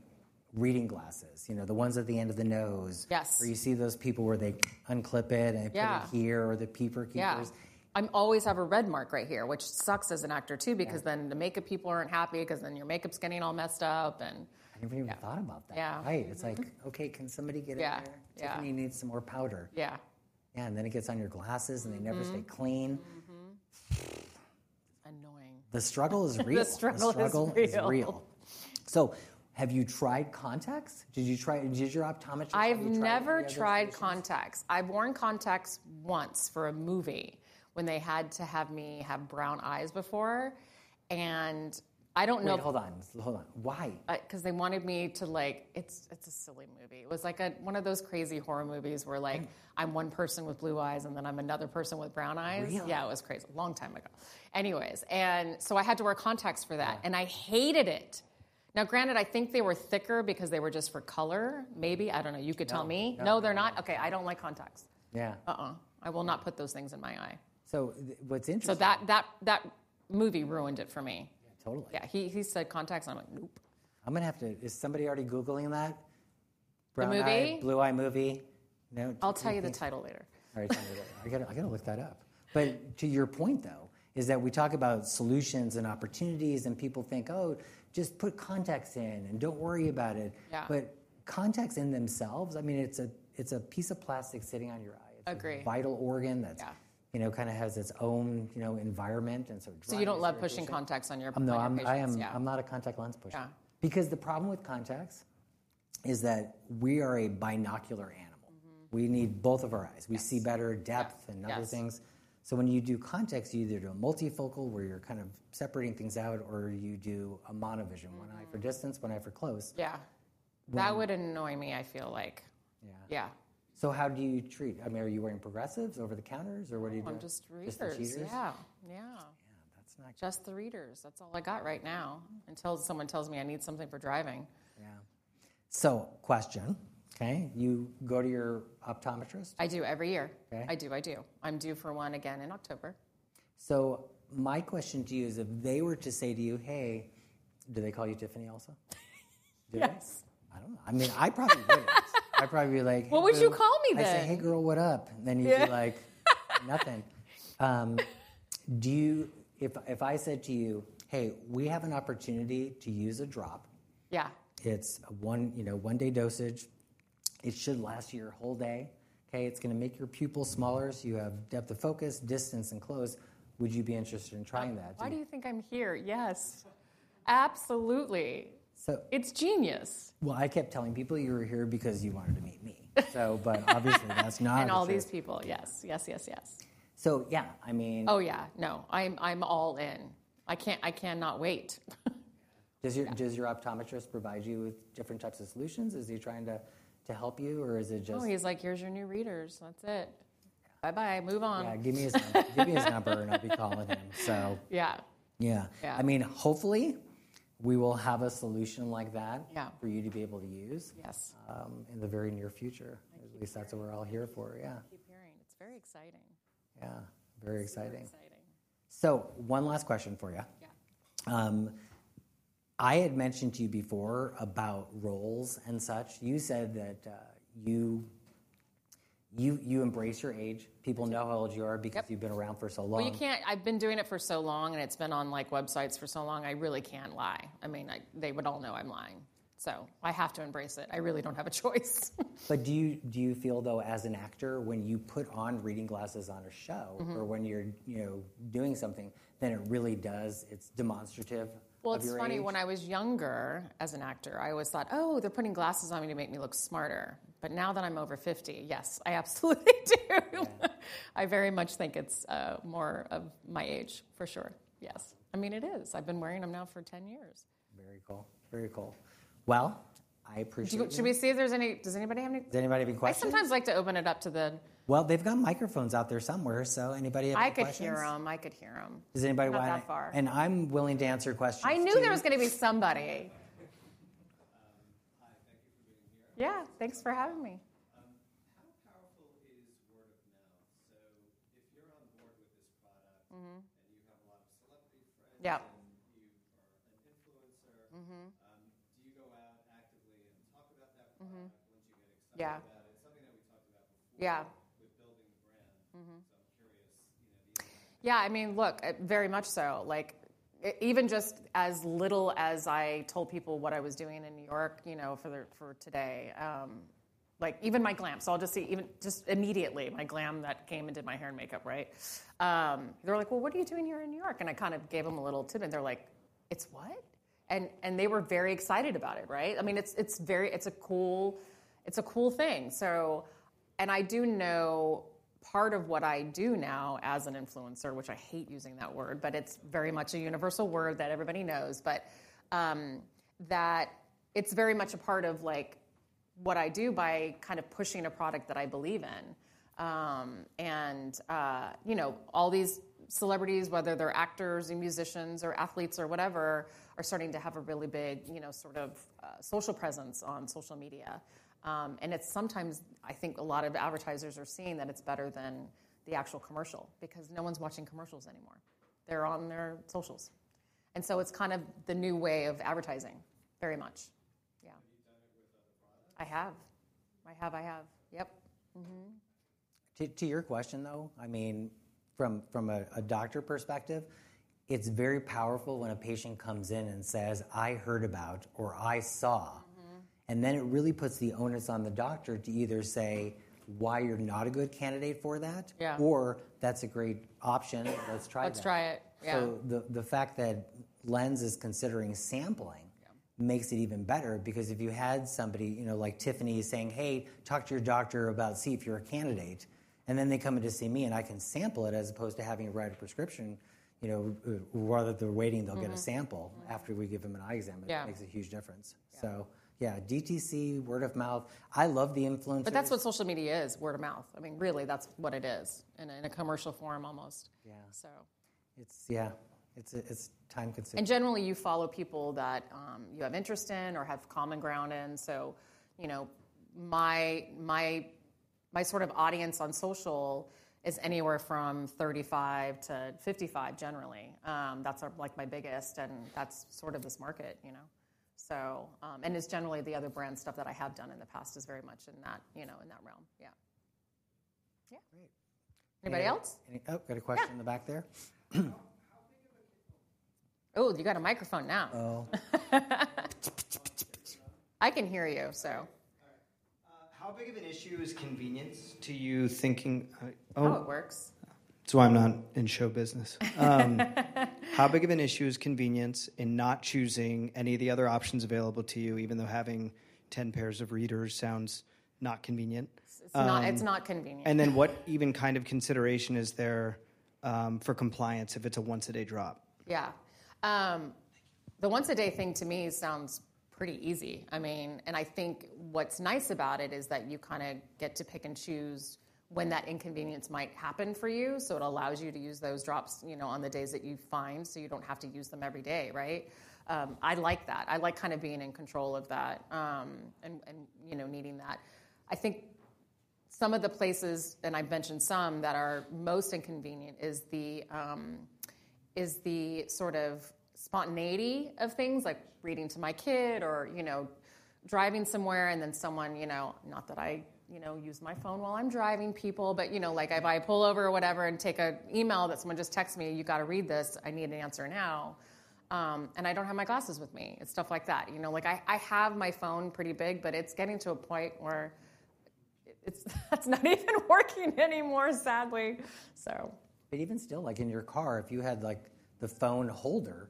reading glasses, the ones at the end of the nose. Yes. Where you see those people where they unclip it and they put it here or the Peeper Keepers. Yeah. I always have a red Marc right here, which sucks as an actor too because then the makeup people aren't happy because then your makeup's getting all messed up. I never even thought about that. Yeah. Right. It's like, "Okay. Can somebody get it here? Yeah. Tiffani needs some more powder. Yeah. Yeah. It gets on your glasses. They never stay clean. Annoying. The struggle is real. The struggle is real. The struggle is real. Have you tried contacts? Did your optometrist put you in contacts? I've never tried contacts. I've worn contacts once for a movie when they had to have me have brown eyes before. I don't know. Wait. Hold on. Hold on. Why? Because they wanted me to, it's a silly movie. It was like one of those crazy horror movies where I'm one person with blue eyes, and then I'm another person with brown eyes. Really? Yeah. It was crazy. A long time ago. Anyways. I had to wear contacts for that. I hated it. Now, granted, I think they were thicker because they were just for color. Maybe. I don't know. You could tell me. Yeah. No, they're not. Okay. I don't like contacts. Yeah. I will not put those things in my eye. What's interesting. That movie ruined it for me. Yeah. Totally. Yeah. He said contacts. And I'm like, "Nope. I'm going to have to. Is somebody already googling that? The movie? Blue Eye movie? No. I'll tell you the title later. All right. Tell me later. I got to look that up. To your point though, we talk about solutions and opportunities. People think, "Oh, just put contacts in and don't worry about it. Yeah. Contacts in themselves, I mean, it's a piece of plastic sitting on your eye. Agree. It's a vital organ that kind of has its own environment and sort of draws you out. You don't love pushing contacts on your. No, I'm not a contact lens pusher. Yeah. Because the problem with contacts is that we are a binocular animal. We need both of our eyes. We see better depth and other things. Yeah. When you do contacts, you either do a multifocal where you're kind of separating things out or you do a monovision, one eye for distance, one eye for close. Yeah. That would annoy me, I feel like. Yeah. Yeah. How do you treat? I mean, are you wearing progressives, over the counters, or what are you doing? I'm just researching. Just the tears? Yeah. Yeah. Yeah. That's not good. Just the readers. That's all I got right now until someone tells me I need something for driving. Yeah. So question. Okay. You go to your optometrist? I do every year. Okay. I do. I do. I'm due for one again in October. My question to you is if they were to say to you, "Hey." Do they call you Tiffani also? Yes. Do they? Yes. I don't know. I mean, I probably wouldn't. I'd probably be like. What would you call me then? I'd say, "Hey, girl. What up? Yeah. You'd be like, "Nothing." If I said to you, "Hey, we have an opportunity to use a drop. Yeah. It's a one-day dosage. It should last your whole day. Okay. It's going to make your pupils smaller. So you have depth of focus, distance, and close. Would you be interested in trying that? Why do you think I'm here? Yes, absolutely. So. It's genius. I kept telling people you were here because you wanted to meet me. Obviously, that's not. All these people. Yes. Yes, yes, yes. Yeah. I mean. Oh, yeah. No. I'm all in. I cannot wait. Does your optometrist provide you with different types of solutions? Is he trying to help you or is it just? No. He's like, "Here's your new readers. That's it. Bye-bye. Move on. Yeah. Give me his number. I'll be calling him. Yeah. Yeah. I mean, hopefully, we will have a solution like that for you to be able to use. Yes. In the very near future. At least that's what we're all here for. Yeah. Keep hearing. It's very exciting. Yeah. Very exciting. So exciting. One last question for you. Yeah. I had mentioned to you before about roles and such. You said that you embrace your age. People know how old you are because you've been around for so long. You can't. I've been doing it for so long. And it's been on websites for so long. I really can't lie. I mean, they would all know I'm lying. So I have to embrace it. I really don't have a choice. Do you feel though, as an actor, when you put on reading glasses on a show or when you're doing something, it really does? It's demonstrative of your age? It's funny. When I was younger as an actor, I always thought, "Oh, they're putting glasses on me to make me look smarter." Now that I'm over 50, yes, I absolutely do. I very much think it's more of my age for sure. Yes. I mean, it is. I've been wearing them now for 10 years. Very cool. Very cool. I appreciate it. Should we see if there's any, does anybody have any? Does anybody have any questions? I sometimes like to open it up to the. They've got microphones out there somewhere. Does anybody have any questions? I could hear them. I could hear them. Does anybody want to? Not that far. I'm willing to answer questions too. I knew there was going to be somebody. Yeah. Thanks for having me. How powerful is word of mouth? If you're on board with this product and you have a lot of celebrity friends. Yeah. Yeah. Yeah. I'm curious. Yeah. I mean, look, very much so. Even just as little as I told people what I was doing in New York for today, even my glam. I'll just say just immediately, my glam that came and did my hair and makeup, right? They were like, "What are you doing here in New York?" I kind of gave them a little tip. They're like, "It's what?" They were very excited about it, right? I mean, it's a cool thing. I do know part of what I do now as an influencer, which I hate using that word, but it's very much a universal word that everybody knows, but that it's very much a part of what I do by kind of pushing a product that I believe in. All these celebrities, whether they're actors and musicians or athletes or whatever, are starting to have a really big sort of social presence on social media. Sometimes, I think a lot of advertisers are seeing that it's better than the actual commercial because no one's watching commercials anymore. They're on their socials. It's kind of the new way of advertising very much. Yeah. I have. Yep. To your question though, I mean, from a doctor perspective, it's very powerful when a patient comes in and says, "I heard about or I saw." It really puts the onus on the doctor to either say, "Why you're not a good candidate for that? Yeah. That's a great option. Let's try that. Let's try it. Yeah. The fact that LENZ is considering sampling makes it even better because if you had somebody like Tiffani saying, "Hey, talk to your doctor about see if you're a candidate." They come in to see me, and I can sample it as opposed to having to write a prescription. While they're waiting, they'll get a sample after we give them an eye exam. Yeah. That makes a huge difference. Yeah. Yeah. DTC, word of mouth. I love the influencers. That is what social media is, word of mouth. I mean, really, that is what it is in a commercial form almost. Yeah. So. It's, yeah, it's time-consuming. Generally, you follow people that you have interest in or have common ground in. My sort of audience on social is anywhere from 35 to 55 generally. That is my biggest. That is sort of this market. The other brand stuff that I have done in the past is very much in that realm. Yeah. Great. Anybody else? Oh, got a question in the back there. Oh, you got a microphone now. Oh. I can hear you. All right. How big of an issue is convenience to you thinking? Oh, it works. That's why I'm not in show business. How big of an issue is convenience in not choosing any of the other options available to you even though having 10 pairs of readers sounds not convenient? It's not convenient. What even kind of consideration is there for compliance if it's a once-a-day drop? Yeah. The once-a-day thing to me sounds pretty easy. I mean, and I think what's nice about it is that you kind of get to pick and choose when that inconvenience might happen for you. It allows you to use those drops on the days that you find so you don't have to use them every day, right? I like that. I like kind of being in control of that and needing that. I think some of the places, and I've mentioned some that are most inconvenient, is the sort of spontaneity of things like reading to my kid or driving somewhere and then someone, not that I use my phone while I'm driving people, but if I pull over or whatever and take an email that someone just texted me, "You got to read this. I need an answer now. I don't have my glasses with me and stuff like that. I have my phone pretty big. It is getting to a point where it is not even working anymore, sadly. Even still, in your car, if you had the phone holder.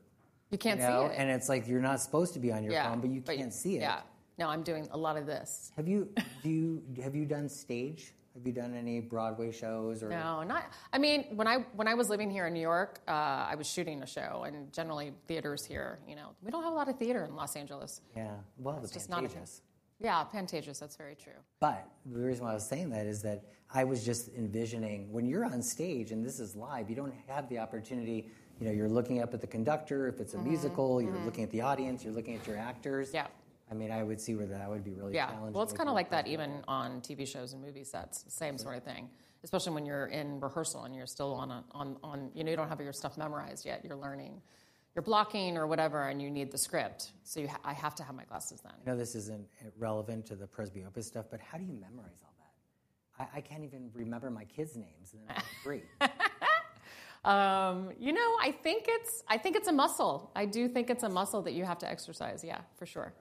You can't see it? It's like you're not supposed to be on your phone. Yeah. You can't see it. Yeah. No, I'm doing a lot of this. Have you done stage? Have you done any Broadway shows or? No. I mean, when I was living here in New York, I was shooting a show. Generally, theaters here, we do not have a lot of theater in Los Angeles. Yeah. The Pantages. Just not. Yeah. Pantages. That's very true. The reason why I was saying that is that I was just envisioning when you're on stage and this is live, you don't have the opportunity. You're looking up at the conductor. If it's a musical, you're looking at the audience. You're looking at your actors. Yeah. I mean, I would see where that would be really challenging. Yeah. It is kind of like that even on TV shows and movie sets, same sort of thing, especially when you are in rehearsal and you are still on, you do not have your stuff memorized yet. You are learning, you are blocking or whatever, and you need the script. I have to have my glasses then. I know this isn't relevant to the presbyopia stuff, but how do you memorize all that? I can't even remember my kids' names and then I'm free. You know, I think it's a muscle. I do think it's a muscle that you have to exercise. Yeah, for sure.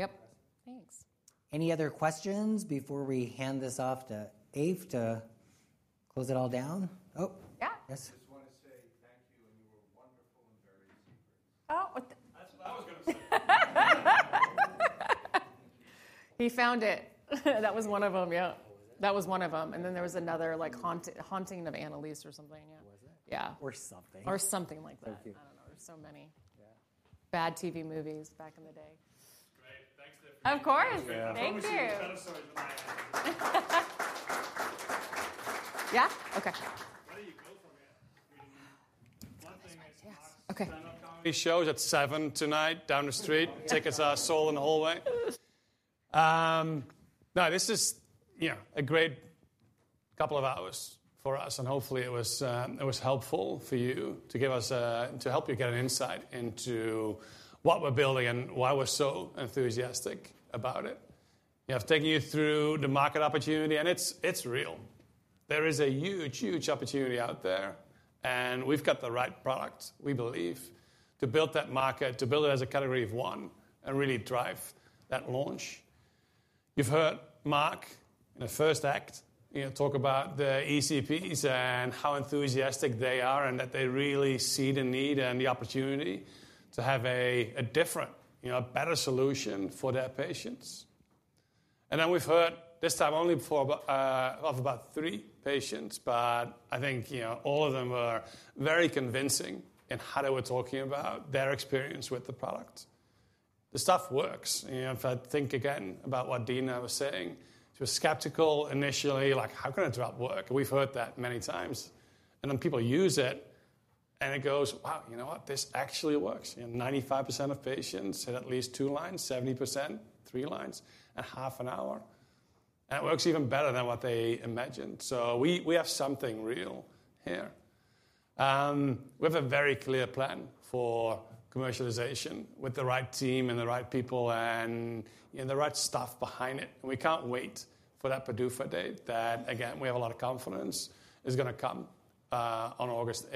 Impressive. Yep. Impressive. Thanks. Any other questions before we hand this off to Ave to close it all down? Oh. Yeah. Yes. Oh. He found it. That was one of them. Yeah. That was one of them. There was another haunting of Annelise or something. Yeah. What was that? Yeah. Or something. Or something like that. Thank you. I don't know. There's so many bad TV movies back in the day. Of course. Thank you. Yeah. Okay. Show is at 7:00 tonight down the street. Tickets are sold in the hallway. No, this is a great couple of hours for us. Hopefully, it was helpful for you to give us to help you get an insight into what we're building and why we're so enthusiastic about it. I've taken you through the market opportunity. It is real. There is a huge, huge opportunity out there. We've got the right product, we believe, to build that market, to build it as a category of one and really drive that launch. You have heard Marc in the first act talk about the ECPs and how enthusiastic they are and that they really see the need and the opportunity to have a different, a better solution for their patients. We have heard this time only of about three patients. I think all of them were very convincing in how they were talking about their experience with the product. The stuff works. If I think again about what Dina was saying, she was skeptical initially, like, "How can a drop work?" We've heard that many times. People use it. It goes, "Wow, you know what? This actually works." 95% of patients said at least two lines, 70% three lines in half an hour. It works even better than what they imagined. We have something real here. We have a very clear plan for commercialization with the right team and the right people and the right stuff behind it. We can't wait for that PDUFA day that, again, we have a lot of confidence is going to come on August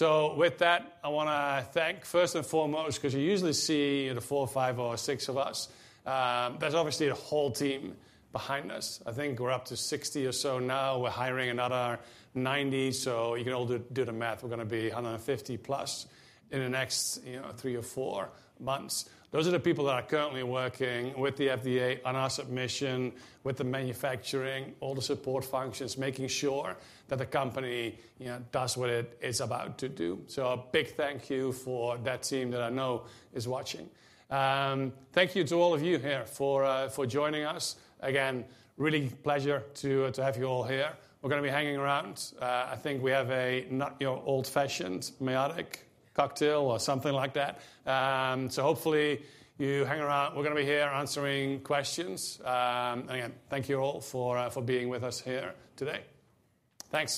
8. With that, I want to thank first and foremost because you usually see the four, five, or six of us. There is obviously a whole team behind us. I think we are up to 60 or so now. We are hiring another 90. You can all do the math. We are going to be 150+ in the next three or four months. Those are the people that are currently working with the FDA on our submission, with the manufacturing, all the support functions, making sure that the company does what it is about to do. A big thank you for that team that I know is watching. Thank you to all of you here for joining us. Again, really pleasure to have you all here. We are going to be hanging around. I think we have a not your old-fashioned miotic cocktail or something like that. Hopefully, you hang around. We're going to be here answering questions. Again, thank you all for being with us here today. Thanks.